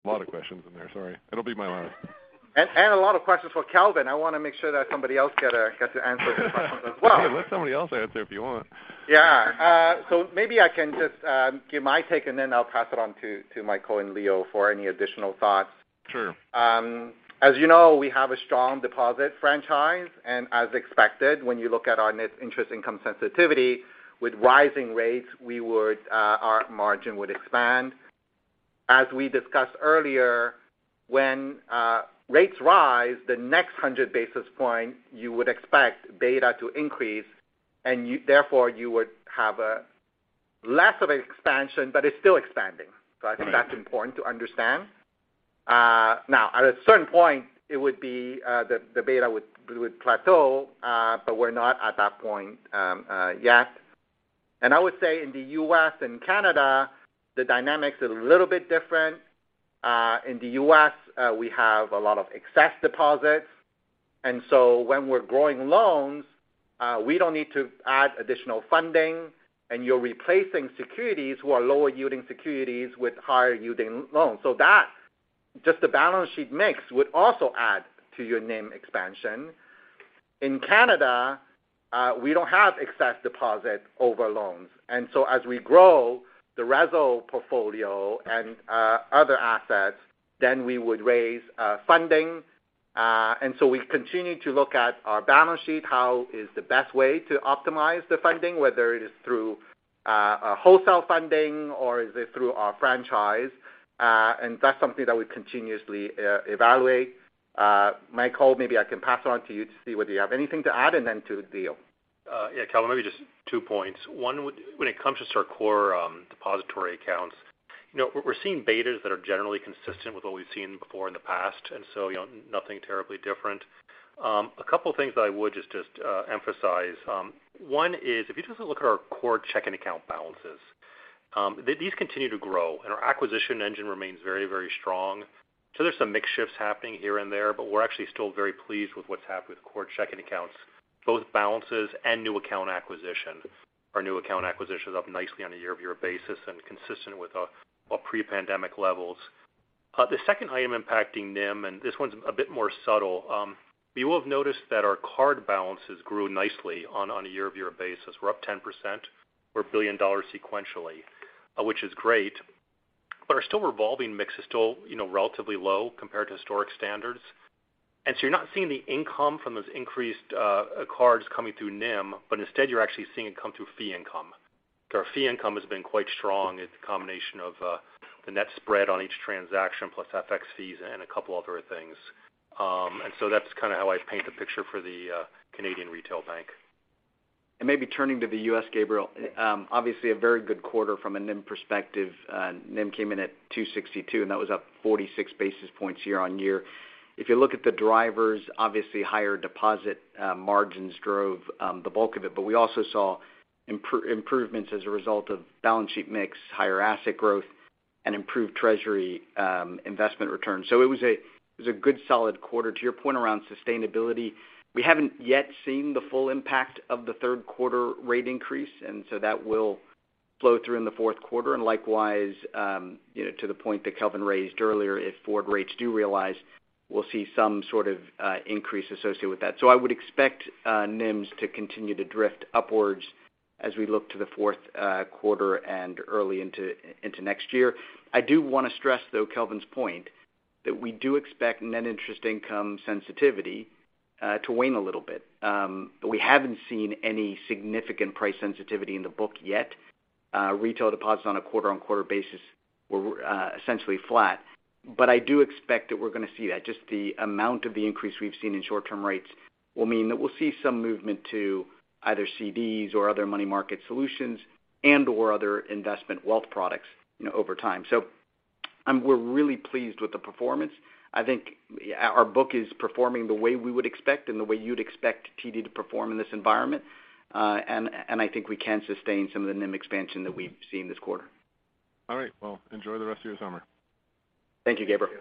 A lot of questions in there. Sorry. It'll be my last. A lot of questions for Kelvin. I wanna make sure that somebody else gets to answer these questions as well. Yeah, let somebody else answer if you want. Yeah. Maybe I can just give my take, and then I'll pass it on to Michael and Leo for any additional thoughts. Sure. We have a strong deposit franchise. As expected, when you look at our net interest income sensitivity with rising rates, we would, our margin would expand. As we discussed earlier, when rates rise the next 100 basis points, you would expect beta to increase and therefore you would have less of an expansion, but it's still expanding. I think that's important to understand. Now at a certain point, it would be, the beta would plateau, but we're not at that point yet. I would say in the U.S. and Canada, the dynamics are a little bit different. In the U.S., we have a lot of excess deposits. When we're growing loans, we don't need to add additional funding, and you're replacing securities who are lower yielding securities with higher yielding loans. That just the balance sheet mix would also add to your NIM expansion. In Canada, we don't have excess deposit over loans. As we grow the RESO portfolio and other assets, then we would raise funding. We continue to look at our balance sheet, how is the best way to optimize the funding, whether it is through a wholesale funding or is it through our franchise. That's something that we continuously evaluate. Michael, maybe I can pass on to you to see whether you have anything to add, and then to Leo. Yeah, Kelvin, maybe just two points. One, when it comes to our core depository accounts we're seeing betas that are generally consistent with what we've seen before in the past, and so nothing terribly different. A couple things that I would just emphasize. One is if you just look at our core checking account balances, these continue to grow and our acquisition engine remains very, very strong. So there's some mix shifts happening here and there, but we're actually still very pleased with what's happened with core checking accounts, both balances and new account acquisition. Our new account acquisition is up nicely on a year-over-year basis and consistent with our pre-pandemic levels. The second item impacting NIM, and this one's a bit more subtle. You will have noticed that our card balances grew nicely on a year-over-year basis. We're up 10%. We're 1 billion dollars sequentially, which is great. Our revolving mix is still relatively low compared to historic standards. You're not seeing the income from those increased cards coming through NIM, but instead, you're actually seeing it come through fee income. Our fee income has been quite strong. It's a combination of the net spread on each transaction plus FX fees and a couple other things. That's how I paint the picture for the Canadian Retail Bank. Maybe turning to the U.S., Gabriel. Obviously a very good quarter from a NIM perspective. NIM came in at 2.62%, and that was up 46 basis points year-over-year. If you look at the drivers, obviously higher deposit margins drove the bulk of it, but we also saw improvements as a result of balance sheet mix, higher asset growth, and improved treasury investment returns. So it was a good solid quarter. To your point around sustainability, we haven't yet seen the full impact of the third quarter rate increase, and so that will flow through in the fourth quarter. Likewise, to the point that Kelvin raised earlier, if forward rates do realize, we'll see some increase associated with that. I would expect NIMs to continue to drift upwards as we look to the fourth quarter and early into next year. I do wanna stress, though, Kelvin's point, that we do expect net interest income sensitivity to wane a little bit. But we haven't seen any significant price sensitivity in the book yet. Retail deposits on a quarter-on-quarter basis were essentially flat. But I do expect that we're gonna see that. Just the amount of the increase we've seen in short-term rates will mean that we'll see some movement to either CDs or other money market solutions and/or other investment wealth products over time. We're really pleased with the performance. I think our book is performing the way we would expect and the way you'd expect TD to perform in this environment. I think we can sustain some of the NIM expansion that we've seen this quarter. All right. Enjoy the rest of your summer. Thank you, Gabriel.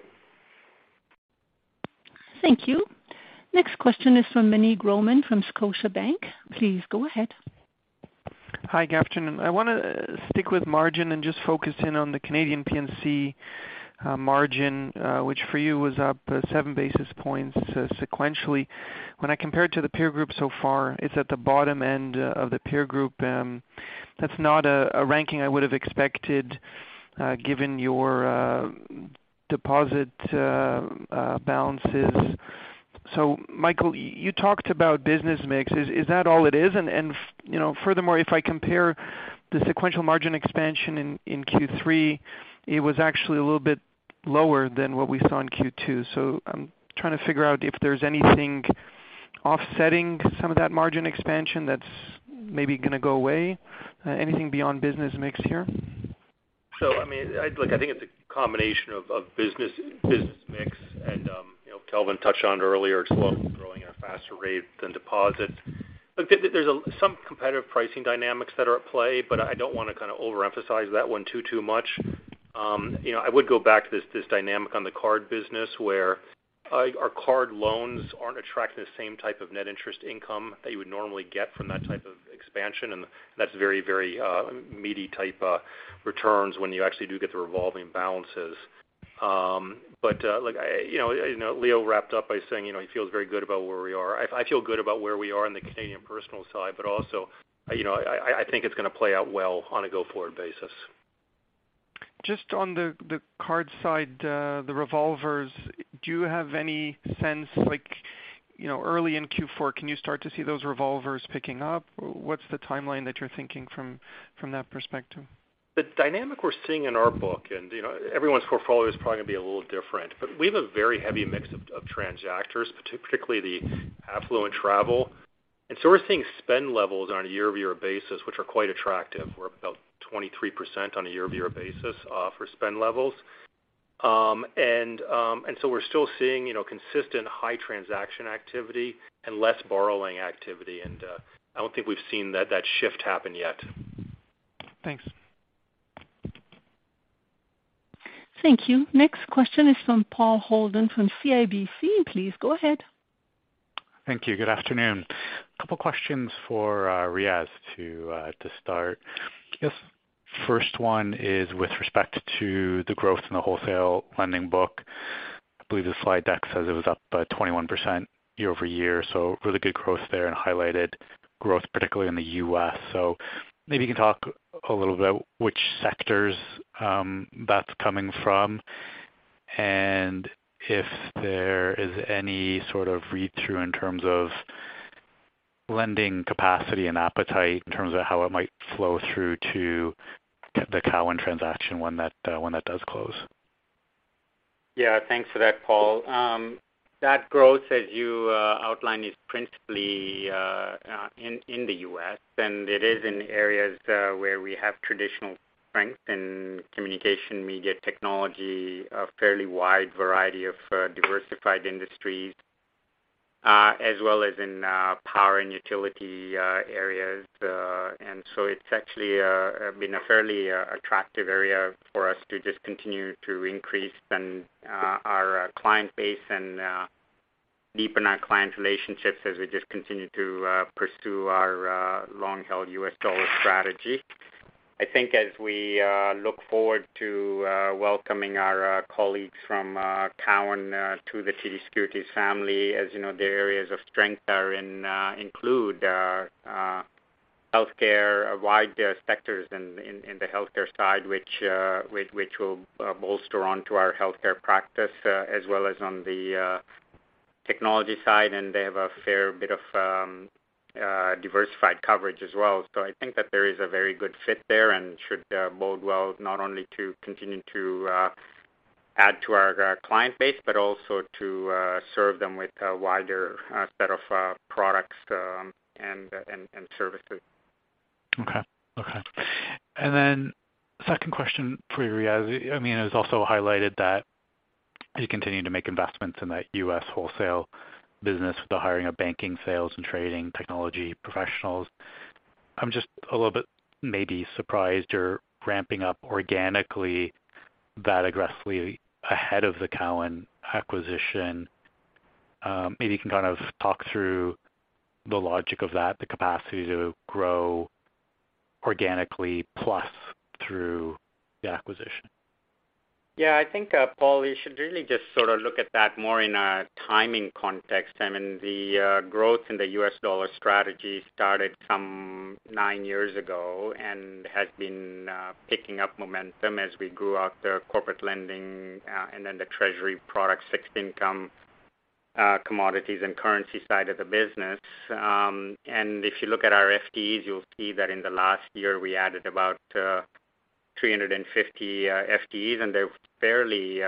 Thank you. Next question is from Meny Grauman from Scotiabank. Please go ahead. Hi, good afternoon. I wanna stick with margin and just focus in on the Canadian P&C, margin, which for you was up seven basis points, sequentially. When I compare it to the peer group so far, it's at the bottom end of the peer group. That's not a ranking I would have expected, given your deposit balances. Michael, you talked about business mix. Is that all it is? Furthermore, if I compare the sequential margin expansion in Q3, it was actually a little bit lower than what we saw in Q2. I'm trying to figure out if there's anything offsetting some of that margin expansion that's maybe gonna go away. Anything beyond business mix here? Look, I think it's a combination of business mix Kelvin touched on earlier as well, growing at a faster rate than deposits. There's some competitive pricing dynamics that are at play, but I don't wanna overemphasize that one too much. I would go back to this dynamic on the card business where our card loans aren't attracting the same type of net interest income that you would normally get from that type of expansion. And that's very meaty type returns when you actually do get the revolving balances. Like, Leo wrapped up by saying he feels very good about where we are. I feel good about where we are in the Canadian personal side, but also I think it's gonna play out well on a go-forward basis. Just on the card side, the revolvers, do you have any sense, like early in Q4, can you start to see those revolvers picking up? What's the timeline that you're thinking from that perspective? The dynamic we're seeing in our book and everyone's portfolio is probably gonna be a little different, but we have a very heavy mix of transactors, particularly the affluent travel. We're seeing spend levels on a year-over-year basis, which are quite attractive. We're up about 23% on a year-over-year basis for spend levels. We're still seeing consistent high transaction activity and less borrowing activity. I don't think we've seen that shift happen yet. Thanks. Thank you. Next question is from Paul Holden from CIBC. Please go ahead. Thank you. Good afternoon. Couple questions for Riaz to start. The first one is with respect to the growth in the wholesale lending book. I believe the slide deck says it was up by 21% year-over-year, so really good growth there and highlighted growth, particularly in the U.S. Maybe you can talk a little bit which sectors that's coming from. And if there is any sort of read-through in terms of lending capacity and appetite in terms of how it might flow through to the Cowen transaction when that does close. Yeah. Thanks for that, Paul. That growth, as you outlined, is principally in the U.S., and it is in areas where we have traditional strength in communication, media, technology, a fairly wide variety of diversified industries, as well as in power and utility areas. It's actually been a fairly attractive area for us to just continue to increase our client base and deepen our client relationships as we just continue to pursue our long-held U.S. dollar strategy. I think as we look forward to welcoming our colleagues from Cowen to the TD Securities family their areas of strength are in healthcare, wide sectors in the healthcare side, which will bolster onto our healthcare practice, as well as on the technology side, and they have a fair bit of diversified coverage as well. I think that there is a very good fit there and should bode well not only to continue to add to our client base, but also to serve them with a wider set of products and services. Okay. Second question for you, Riaz. It was also highlighted that you continue to make investments in that U.S. wholesale business with the hiring of banking, sales and trading technology professionals. I'm just a little bit maybe surprised you're ramping up organically that aggressively ahead of the Cowen acquisition. Maybe you can talk through the logic of that, the capacity to grow organically plus through the acquisition. Yeah. I think, Paul, you should really just look at that more in a timing context. The growth in the U.S. dollar strategy started some 9 years ago and has been picking up momentum as we grew out the corporate lending, and then the treasury product, fixed income, commodities and currency side of the business. If you look at our FTEs, you'll see that in the last year, we added about 350 FTEs, and they're fairly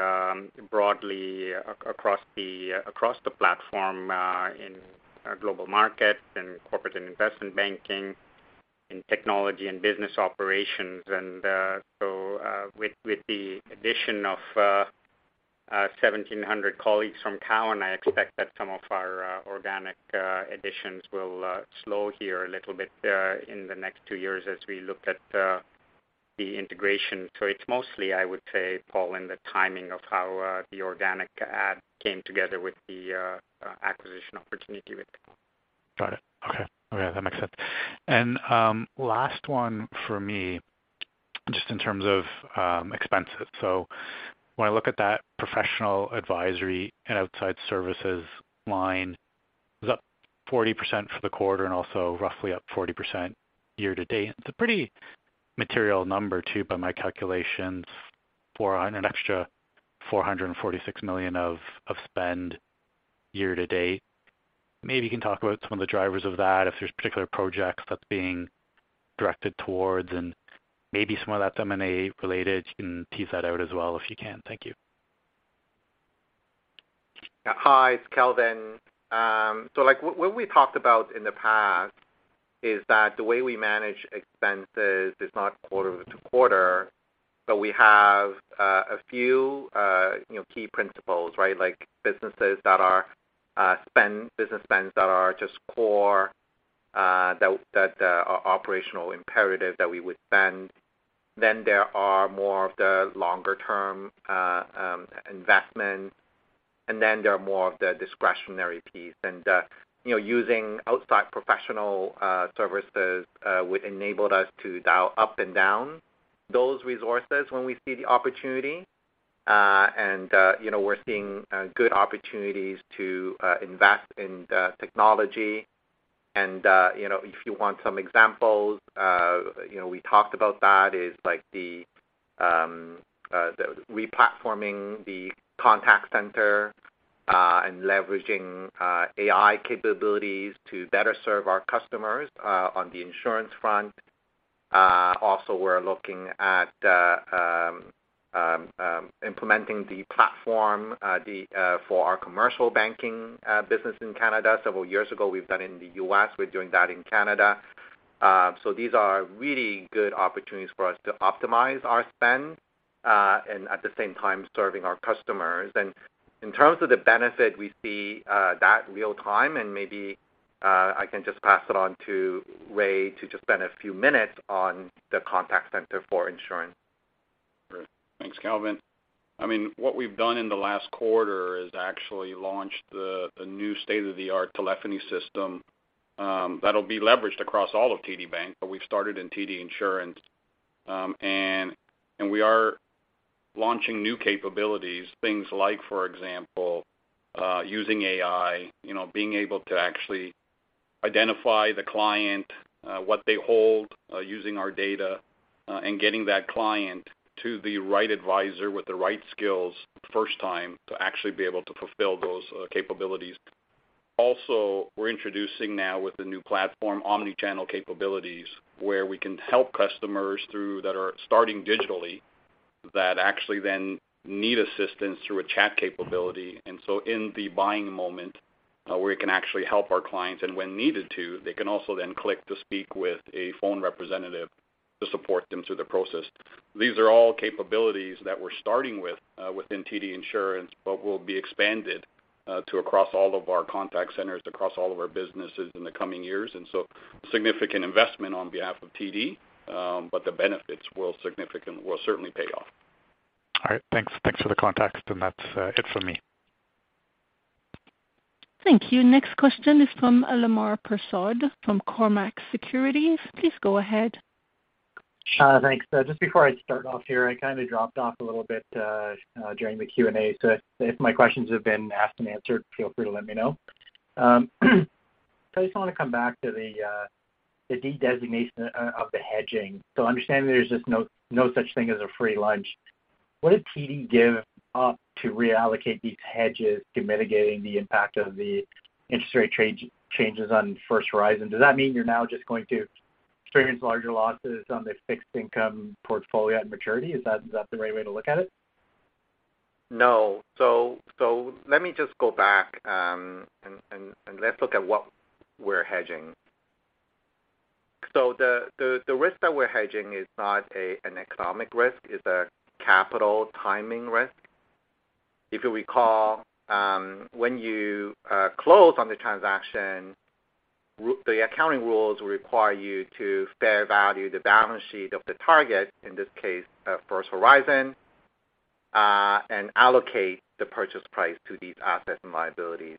broadly across the platform, in our global market, in corporate and investment banking, in technology and business operations. With the addition of 1,700 colleagues from Cowen, I expect that some of our organic additions will slow here a little bit in the next two years as we look at the integration. It's mostly, I would say, Paul, in the timing of how the organic add came together with the acquisition opportunity with Cowen. Got it. Okay. Okay, that makes sense. Last one for me, just in terms of expenses. When I look at that professional advisory and outside services line, it was up 40% for the quarter and also roughly up 40% year to date. It's a pretty material number too by my calculations for an extra 446 million of spend year to date. Maybe you can talk about some of the drivers of that, if there's particular projects that's being directed towards, and maybe some of that's M&A related. You can tease that out as well if you can. Thank you. Hi, it's Kelvin. Like what we talked about in the past. Is that the way we manage expenses is not quarter to quarter, but we have a few key principles. Like business spends that are just core, that are operational imperative that we would spend. Then there are more of the longer-term investments, and then there are more of the discretionary piece. Using outside professional services enabled us to dial up and down those resources when we see the opportunity. We're seeing good opportunities to invest in the technology. If you want some examples we talked about that is like the re-platforming the contact center, and leveraging AI capabilities to better serve our customers on the insurance front. Also, we're looking at implementing the platform for our commercial banking business in Canada. Several years ago, we've done it in the U.S., we're doing that in Canada. These are really good opportunities for us to optimize our spend and at the same time serving our customers. In terms of the benefit, we see that real time, and maybe I can just pass it on to Ray to just spend a few minutes on the contact center for insurance. Great. Thanks, Kelvin. What we've done in the last quarter is actually launched the new state-of-the-art telephony system that'll be leveraged across all of TD Bank, but we've started in TD Insurance. We are launching new capabilities, things like, for example, using AI being able to actually identify the client, what they hold, using our data, and getting that client to the right advisor with the right skills first time to actually be able to fulfill those capabilities. Also, we're introducing now with the new platform omni-channel capabilities, where we can help customers that are starting digitally that actually then need assistance through a chat capability. In the buying moment, where we can actually help our clients, and when needed to, they can also then click to speak with a phone representative to support them through the process. These are all capabilities that we're starting with within TD Insurance, but will be expanded to across all of our contact centers, across all of our businesses in the coming years. Significant investment on behalf of TD, but the benefits will certainly pay off. All right. Thanks. Thanks for the context, and that's it for me. Thank you. Next question is from Lemar Persaud, from Cormark Securities. Please go ahead. Thanks. Just before I start off here, I dropped off a little bit during the Q&A. If my questions have been asked and answered, feel free to let me know. I just want to come back to the de-designation of the hedging. I understand there's just no such thing as a free lunch. What did TD give up to reallocate these hedges to mitigating the impact of the interest rate changes on First Horizon? Does that mean you're now just going to experience larger losses on the fixed income portfolio at maturity? Is that the right way to look at it? No. So let me just go back, and let's look at what we're hedging. The risk that we're hedging is not an economic risk, it's a capital timing risk. If you recall, when you close on the transaction, the accounting rules require you to fair value the balance sheet of the target, in this case, First Horizon, and allocate the purchase price to these assets and liabilities.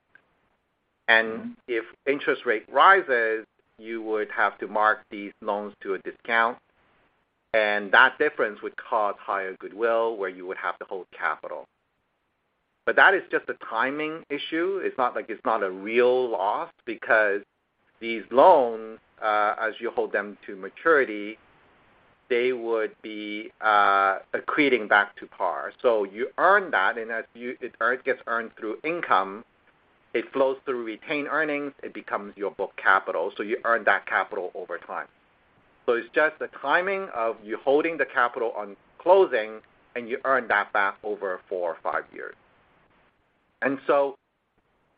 If interest rate rises, you would have to mark these loans to a discount, and that difference would cause higher goodwill, where you would have to hold capital. That is just a timing issue. It's not like it's not a real loss because these loans, as you hold them to maturity, they would be accreting back to par. You earn that, and as it gets earned through income, it flows through retained earnings, it becomes your book capital. You earn that capital over time. It's just the timing of you holding the capital on closing, and you earn that back over four or five years.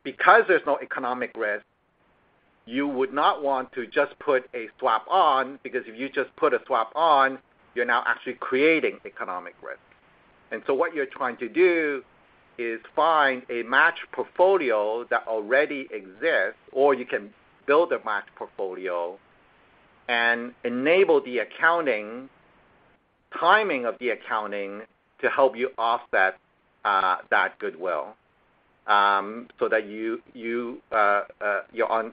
Because there's no economic risk, you would not want to just put a swap on, because if you just put a swap on, you're now actually creating economic risk. What you're trying to do is find a matched portfolio that already exists, or you can build a matched portfolio and enable the accounting, timing of the accounting to help you offset that goodwill, so that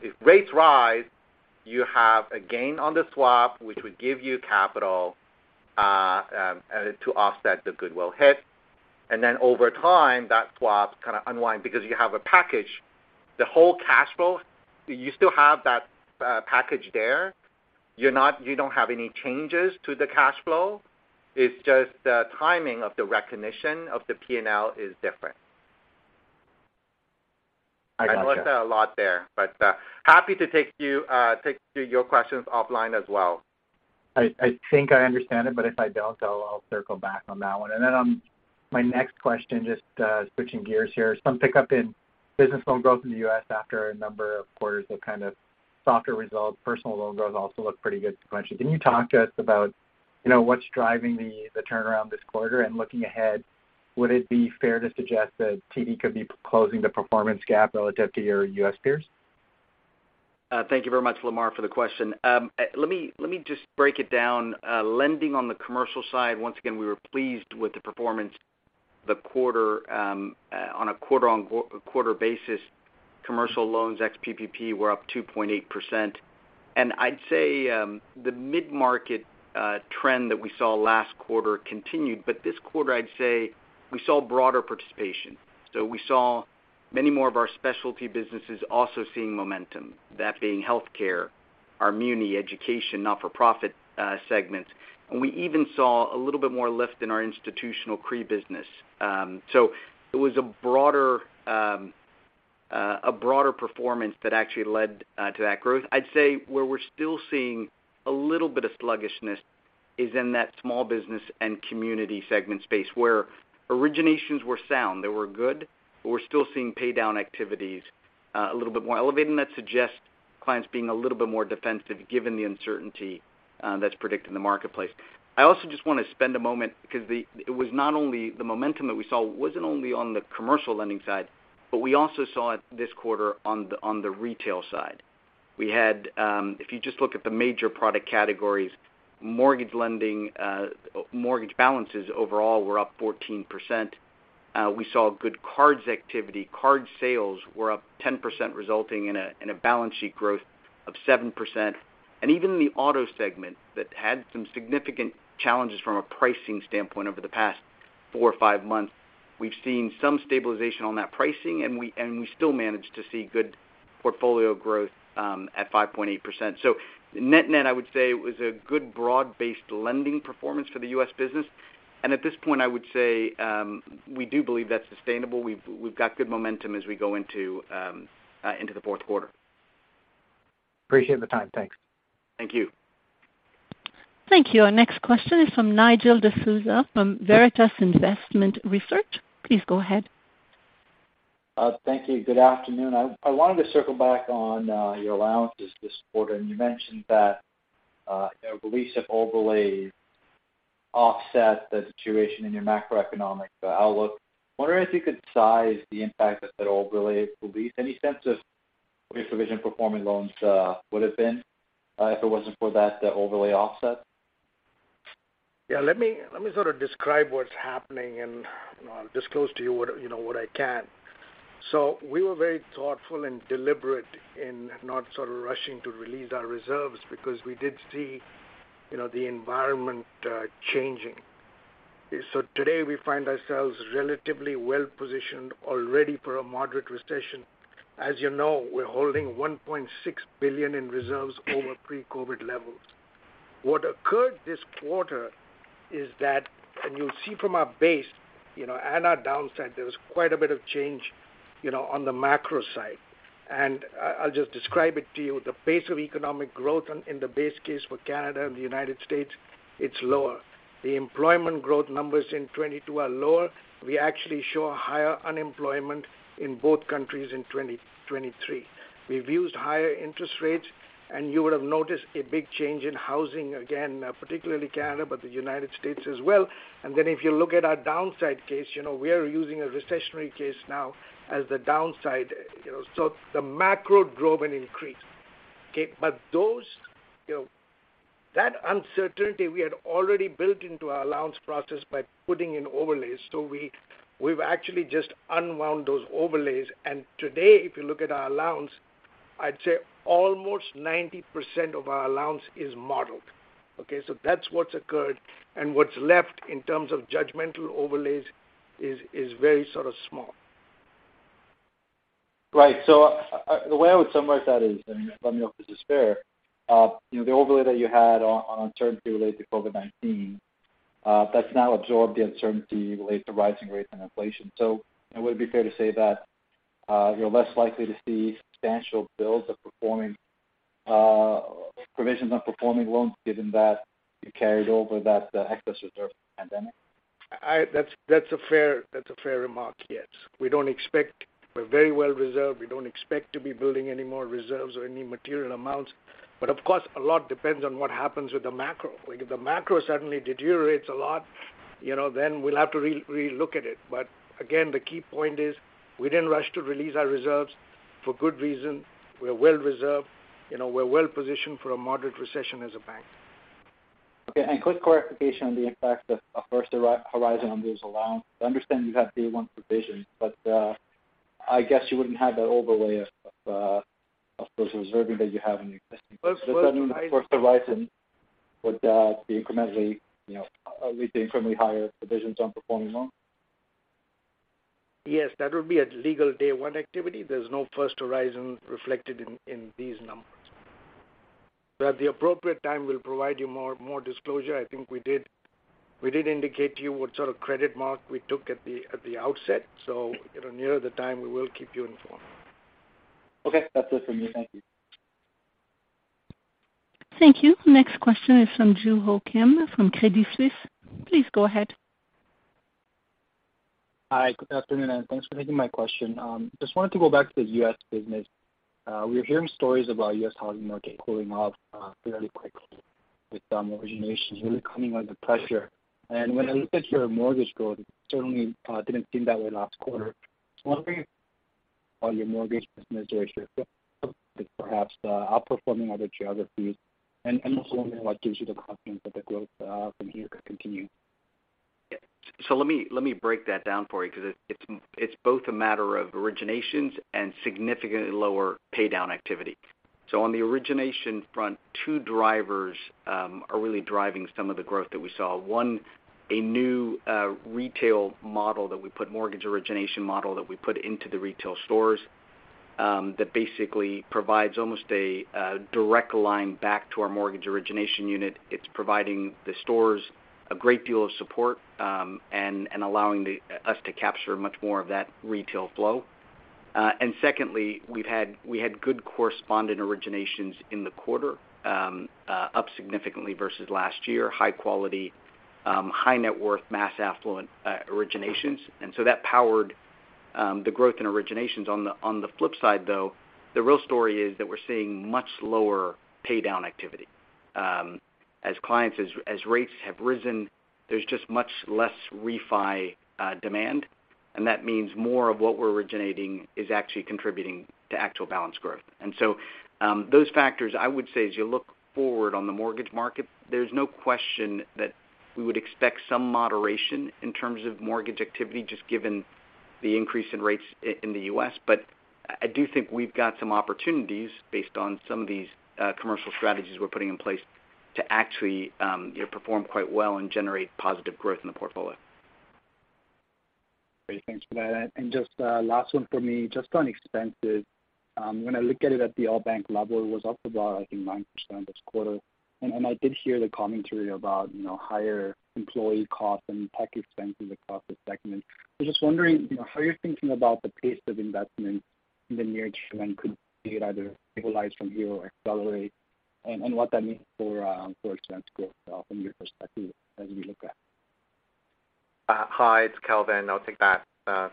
if rates rise, you have a gain on the swap, which would give you capital to offset the goodwill hit. Over time, that swap unwind because you have a package. The whole cash flow, you still have that package there. You don't have any changes to the cash flow. It's just the timing of the recognition of the P&L is different. I gotcha. I know it's a lot there, but happy to take your questions offline as well. I think I understand it, but if I don't, I'll circle back on that one. On my next question, just switching gears here. Some pickup in business loan growth in the U.S. after a number of quarters of softer results. Personal loan growth also looked pretty good sequentially. Can you talk to us about what's driving the turnaround this quarter? Looking ahead, would it be fair to suggest that TD could be closing the performance gap relative to your U.S. peers? Thank you very much, Lemar, for the question. Let me just break it down. Lending on the commercial side, once again, we were pleased with the performance the quarter, on a quarter-over-quarter basis. Commercial loans ex-PPP were up 2.8%. I'd say the mid-market trend that we saw last quarter continued. This quarter, I'd say we saw broader participation. We saw many more of our specialty businesses also seeing momentum, that being healthcare, our muni education, not-for-profit segments. We even saw a little bit more lift in our institutional CRE business. It was a broader performance that actually led to that growth. I'd say where we're still seeing a little bit of sluggishness is in that small business and community segment space where originations were sound, they were good, but we're still seeing paydown activities a little bit more elevated. That suggests clients being a little bit more defensive given the uncertainty that's predicted in the marketplace. I also just wanna spend a moment because it was not only the momentum that we saw on the commercial lending side, but we also saw it this quarter on the retail side. We had, if you just look at the major product categories, mortgage lending, mortgage balances overall were up 14%. We saw good cards activity. Card sales were up 10%, resulting in a balance sheet growth of 7%. Even in the auto segment that had some significant challenges from a pricing standpoint over the past 4 or 5 months, we've seen some stabilization on that pricing, and we still managed to see good portfolio growth at 5.8%. Net-net, I would say it was a good broad-based lending performance for the U.S. business. At this point, I would say we do believe that's sustainable. We've got good momentum as we go into the fourth quarter. Appreciate the time. Thanks. Thank you. Thank you. Our next question is from Nigel D'Souza from Veritas Investment Research. Please go ahead. Thank you. Good afternoon. I wanted to circle back on your allowances this quarter. You mentioned that release of overlays offset the situation in your macroeconomic outlook. I'm wondering if you could size the impact of that overlay release. Any sense of what your provision for performing loans would have been if it wasn't for that, the overlay offset? Yeah, let me describe what's happening, and I'll disclose to you what I can. We were very thoughtful and deliberate in not rushing to release our reserves because we did see the environment changing. Today, we find ourselves relatively well positioned already for a moderate recession. We're holding 1.6 billion in reserves over pre-COVID levels. What occurred this quarter is that and you'll see from our base and our downside, there was quite a bit of change on the macro side. I'll just describe it to you. The pace of economic growth in the base case for Canada and the United States, it's lower. The employment growth numbers in 2022 are lower. We actually show higher unemployment in both countries in 2023. We've used higher interest rates, and you would have noticed a big change in housing again, particularly Canada, but the United States as well. Then if you look at our downside case we are using a recessionary case now as the downside. So the macro drove an increase. Okay? Those, that uncertainty we had already built into our allowance process by putting in overlays. We've actually just unwound those overlays. Today, if you look at our allowance, I'd say almost 90% of our allowance is modeled. Okay? That's what's occurred. What's left in terms of judgmental overlays is very small. The way I would summarize that is, let me know if this is fair. The overlay that you had on uncertainty related to COVID-19, that's now absorbed the uncertainty related to rising rates and inflation. Would it be fair to say that, you're less likely to see substantial builds of performing provisions on performing loans given that you carried over that excess reserve from the pandemic? That's a fair remark, yes. We're very well reserved. We don't expect to be building any more reserves or any material amounts, but of course, a lot depends on what happens with the macro. If the macro suddenly deteriorates a lot, then we'll have to relook at it. Again, the key point is we didn't rush to release our reserves for good reason. We're well reserved. We're well positioned for a moderate recession as a bank. Okay. Quick clarification on the impact of First Horizon on those allowance. I understand you have day one provision, but you wouldn't have that overlay of those reserving that you have in your existing- First Horizon First Horizon would be incrementally lead to incrementally higher provisions on performing loans? Yes. That would be a legal day one activity. There's no First Horizon reflected in these numbers. At the appropriate time, we'll provide you more disclosure. I think we did indicate to you what credit mark we took at the outset. Nearer the time, we will keep you informed. Okay, that's it for me. Thank you. Thank you. Next question is from Joo Ho Kim from Credit Suisse. Please go ahead. Hi, good afternoon, and thanks for taking my question. Just wanted to go back to the U.S. business. We're hearing stories about U.S. housing market cooling off fairly quickly with originations really coming under pressure. When I look at your mortgage growth, it certainly didn't seem that way last quarter. I was wondering if your mortgage business or if you're perhaps outperforming other geographies. Also wondering what gives you the confidence that the growth from here could continue. Yeah. Let me break that down for you because it's both a matter of originations and significantly lower pay down activity. On the origination front, two drivers are really driving some of the growth that we saw. One, a new retail model that we put into the retail stores that basically provides almost a direct line back to our mortgage origination unit. It's providing the stores a great deal of support and allowing us to capture much more of that retail flow. Secondly, we had good correspondent originations in the quarter, up significantly versus last year, high quality, high net worth, mass affluent originations. That powered the growth in originations. On the flip side, though, the real story is that we're seeing much lower pay down activity. As rates have risen, there's just much less refi demand, and that means more of what we're originating is actually contributing to actual balance growth. Those factors, I would say as you look forward on the mortgage market, there's no question that we would expect some moderation in terms of mortgage activity just given the increase in rates in the U.S. I do think we've got some opportunities based on some of these commercial strategies we're putting in place to actually perform quite well and generate positive growth in the portfolio. Great, thanks for that. Just a last one for me. Just on expenses, when I look at it at the all bank level, it was up about, I think, 9% this quarter. I did hear the commentary about higher employee costs and tech expenses across the segment. I was just wondering how you're thinking about the pace of investment in the near term and could it either stabilize from here or accelerate, and what that means for expense growth from your perspective as you look at it? Hi, it's Kelvin. I'll take that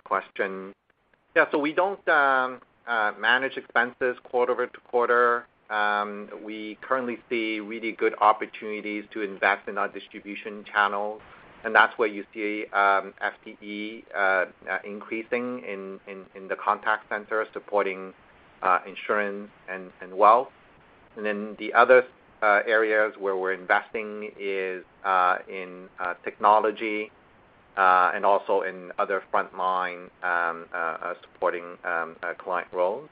question. We don't manage expenses quarter-over-quarter. We currently see really good opportunities to invest in our distribution channels, and that's where you see FTE increasing in the contact centers supporting insurance and wealth. The other areas where we're investing is in technology and also in other front line supporting client roles.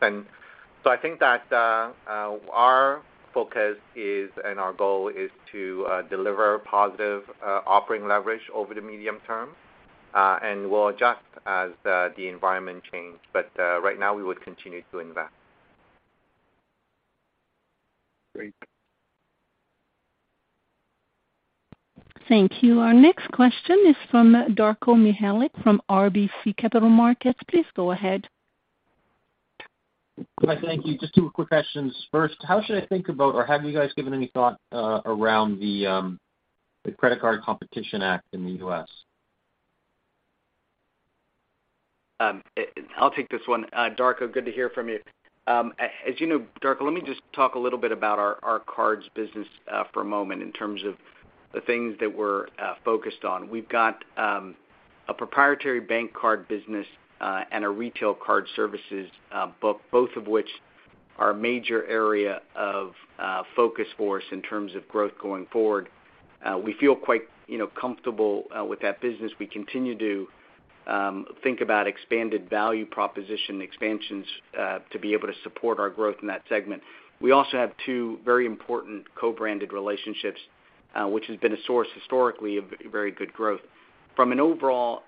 I think that our focus is, and our goal is to deliver positive operating leverage over the medium term, and we'll adjust as the environment change. Right now we would continue to invest. Great. Thank you. Our next question is from Darko Mihelic, from RBC Capital Markets. Please go ahead. Hi. Thank you. Just two quick questions. First, how should I think about or have you guys given any thought around the Credit Card Competition Act in the U.S.? I'll take this one. Darko, good to hear from you. Darko, let me just talk a little bit about our cards business for a moment in terms of the things that we're focused on. We've got a proprietary bank card business and a retail card services, both of which are a major area of focus for us in terms of growth going forward. We feel quite comfortable with that business. We continue to think about expanded value proposition expansions to be able to support our growth in that segment. We also have two very important co-branded relationships, which has been a source historically of very good growth. From an overall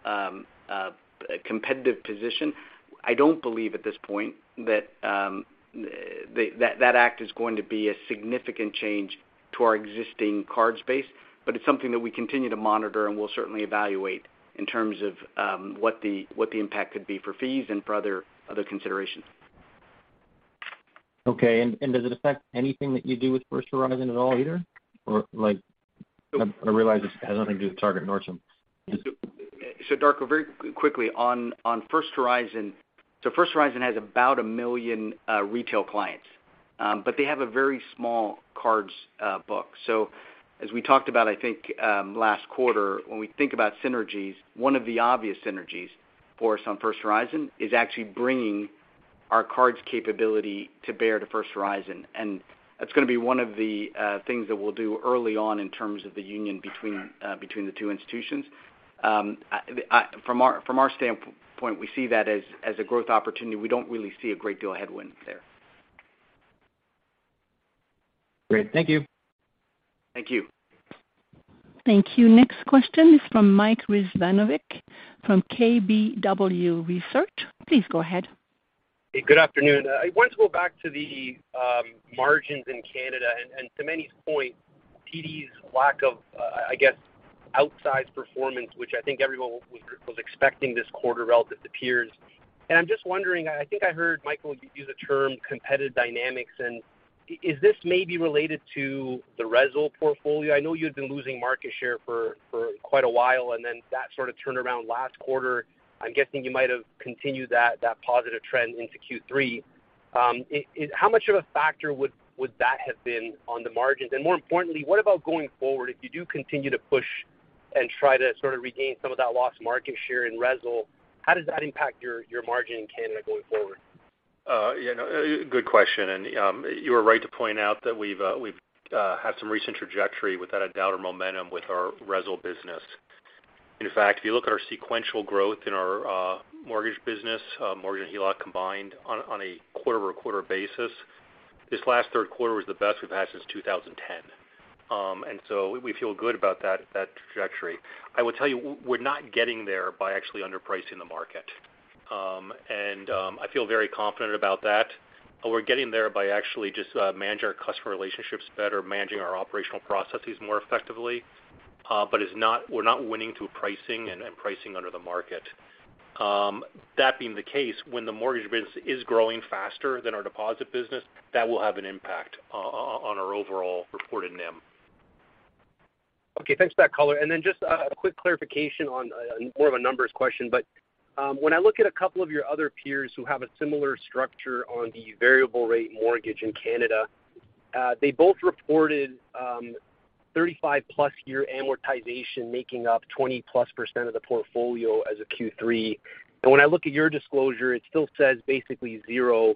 competitive position, I don't believe at this point that that act is going to be a significant change to our existing card space, but it's something that we continue to monitor, and we'll certainly evaluate in terms of what the impact could be for fees and for other considerations. Okay. Does it affect anything that you do with First Horizon at all either? Like, I realize this has nothing to do with Target nor Chime. Darko Mihelic, very quickly on First Horizon. First Horizon has about 1 million retail clients, but they have a very small cards book. As we talked about, I think, last quarter, when we think about synergies, one of the obvious synergies for us on First Horizon is actually bringing our cards capability to bear to First Horizon. That's gonna be one of the things that we'll do early on in terms of the union between- Okay. Between the two institutions. From our standpoint, we see that as a growth opportunity. We don't really see a great deal of headwind there. Great. Thank you. Thank you. Thank you. Next question is from Mike Rizvanovic, from KBW Research. Please go ahead. Good afternoon. I want to go back to the margins in Canada. To Manny's point, TD's lack of outsized performance, which I think everyone was expecting this quarter relative to peers. I'm just wondering, I think I heard, Michael, you use the term competitive dynamics, and is this maybe related to the retail portfolio? I know you've been losing market share for quite a while, and then that turned around last quarter. I'm guessing you might have continued that positive trend into Q3. How much of a factor would that have been on the margins? And more importantly, what about going forward? If you do continue to push and try to regain some of that lost market share in retail, how does that impact your margin in Canada going forward? Good question, and you are right to point out that we've had some recent trajectory, without a doubt or momentum with our RESL business. In fact, if you look at our sequential growth in our mortgage business, mortgage and HELOC combined on a quarter-over-quarter basis, this last third quarter was the best we've had since 2010. We feel good about that trajectory. I will tell you, we're not getting there by actually underpricing the market. I feel very confident about that. We're getting there by actually just managing our customer relationships better, managing our operational processes more effectively, but we're not winning through pricing and pricing under the market. That being the case, when the mortgage business is growing faster than our deposit business, that will have an impact on our overall reported NIM. Okay, thanks for that color. Then just a quick clarification on more of a numbers question, but when I look at a couple of your other peers who have a similar structure on the variable rate mortgage in Canada, they both reported 35+ year amortization making up 20+% of the portfolio as of Q3. When I look at your disclosure, it still says basically zero.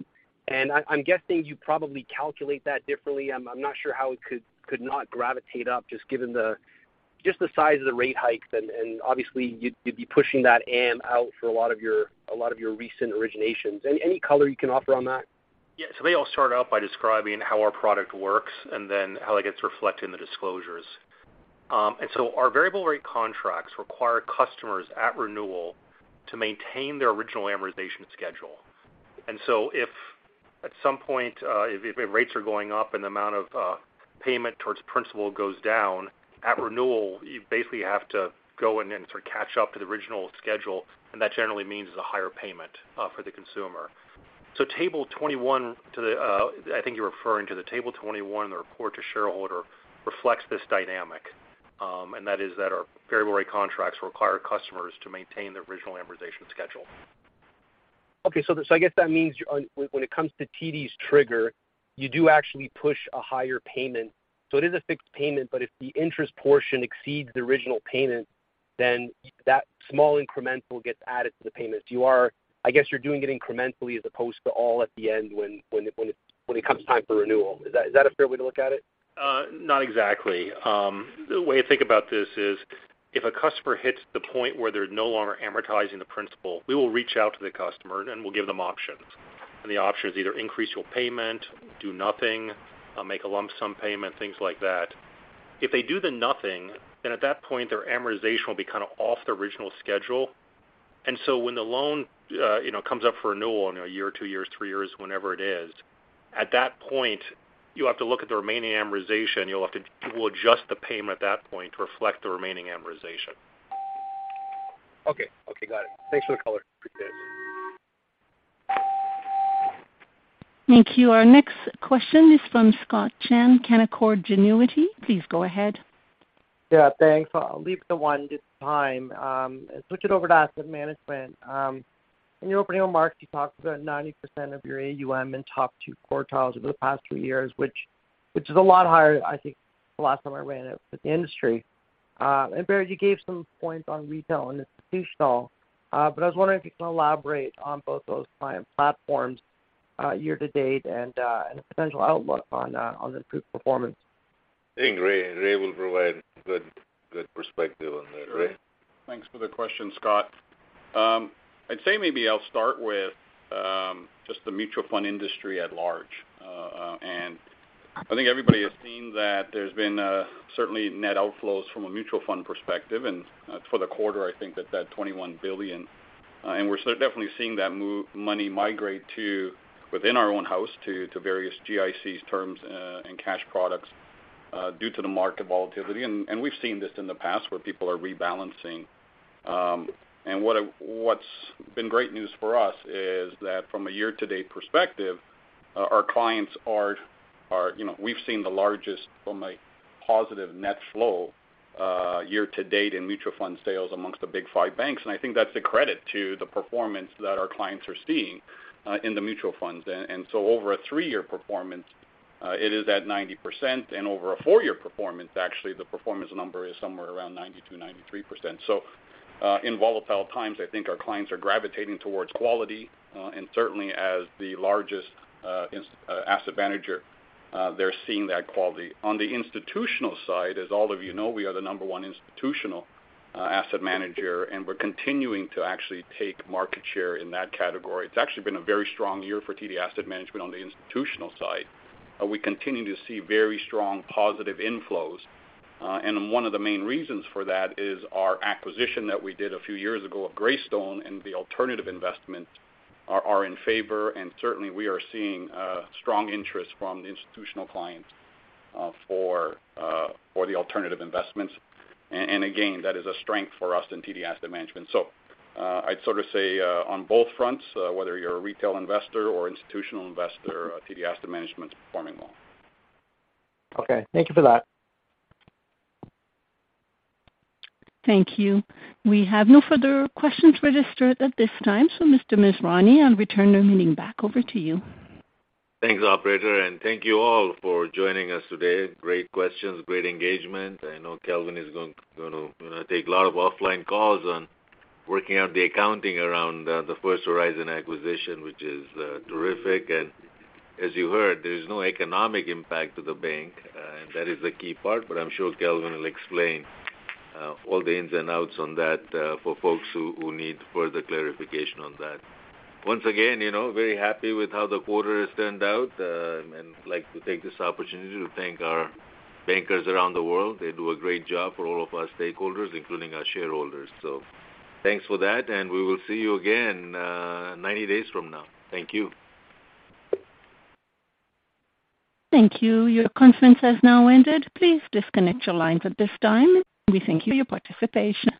I'm guessing you probably calculate that differently. I'm not sure how it could not gravitate up, just given the size of the rate hikes and obviously you'd be pushing that AM out for a lot of your recent originations. Any color you can offer on that? Yeah. Maybe I'll start out by describing how our product works and then how that gets reflected in the disclosures. Our variable rate contracts require customers at renewal to maintain their original amortization schedule. If rates are going up and the amount of payment towards principal goes down, at renewal, you basically have to go in and catch up to the original schedule, and that generally means a higher payment for the consumer. Table 21 in the report to shareholders reflects this dynamic, and that is that our variable rate contracts require customers to maintain their original amortization schedule. Okay. That means when it comes to TD's trigger, you do actually push a higher payment. It is a fixed payment, but if the interest portion exceeds the original payment, then that small incremental gets added to the payment. You're doing it incrementally as opposed to all at the end when it comes time for renewal. Is that a fair way to look at it? Not exactly. The way to think about this is if a customer hits the point where they're no longer amortizing the principal, we will reach out to the customer, and we'll give them options. The option is either increase your payment, do nothing, make a lump sum payment, things like that. If they do nothing, then at that point their amortization will be off the original schedule. When the loan comes up for renewal in a year, two years, three years, whenever it is, at that point, you have to look at the remaining amortization. People adjust the payment at that point to reflect the remaining amortization. Okay, got it. Thanks for the color. Appreciate it. Thank you. Our next question is from Scott Chan, Canaccord Genuity. Please go ahead. Yeah, thanks. I'll leave the one this time. Switch it over to asset management. In your opening remarks, you talked about 90% of your AUM in top two quartiles over the past three years, which is a lot higher, I think the last time I ran it with the industry. Barry, you gave some points on retail and institutional, but I was wondering if you can elaborate on both those client platforms, year to date and the potential outlook on improved performance. I think Ray will provide good perspective on that. Ray. Thanks for the question, Scott. I'd say maybe I'll start with just the mutual fund industry at large. I think everybody has seen that there's been certainly net outflows from a mutual fund perspective. For the quarter, I think that 21 billion, and we're definitely seeing that money migrate to within our own house to various GICs terms, and cash products, due to the market volatility. We've seen this in the past where people are rebalancing. What's been great news for us is that from a year-to-date perspective, our clients are we've seen the largest from a positive net flow, year to date in mutual fund sales amongst the big five banks. I think that's a credit to the performance that our clients are seeing in the mutual funds. Over a three-year performance, it is at 90%, and over a four-year performance, actually, the performance number is somewhere around 92%-93%. In volatile times, I think our clients are gravitating towards quality, and certainly as the largest asset manager, they're seeing that quality. On the institutional side, as all of you know, we are the number one institutional asset manager, and we're continuing to actually take market share in that category. It's actually been a very strong year for TD Asset Management on the institutional side. We continue to see very strong positive inflows. One of the main reasons for that is our acquisition that we did a few years ago of Greystone, and the alternative investments are in favor, and certainly we are seeing strong interest from the institutional clients for the alternative investments. Again, that is a strength for us in TD Asset Management. I'd say on both fronts, whether you're a retail investor or institutional investor, TD Asset Management is performing well. Okay. Thank you for that. Thank you. We have no further questions registered at this time. Mr. Masrani, I'll return the meeting back over to you. Thanks, operator, and thank you all for joining us today. Great questions, great engagement. I know Kelvin is gonna take a lot of offline calls on working out the accounting around the First Horizon acquisition, which is terrific. As you heard, there is no economic impact to the bank, and that is the key part, but I'm sure Kelvin will explain all the ins and outs on that for folks who need further clarification on that. Once again, very happy with how the quarter has turned out, and I'd like to take this opportunity to thank our bankers around the world. They do a great job for all of our stakeholders, including our shareholders. Thanks for that, and we will see you again 90 days from now. Thank you. Thank you. Your conference has now ended. Please disconnect your lines at this time. We thank you for your participation.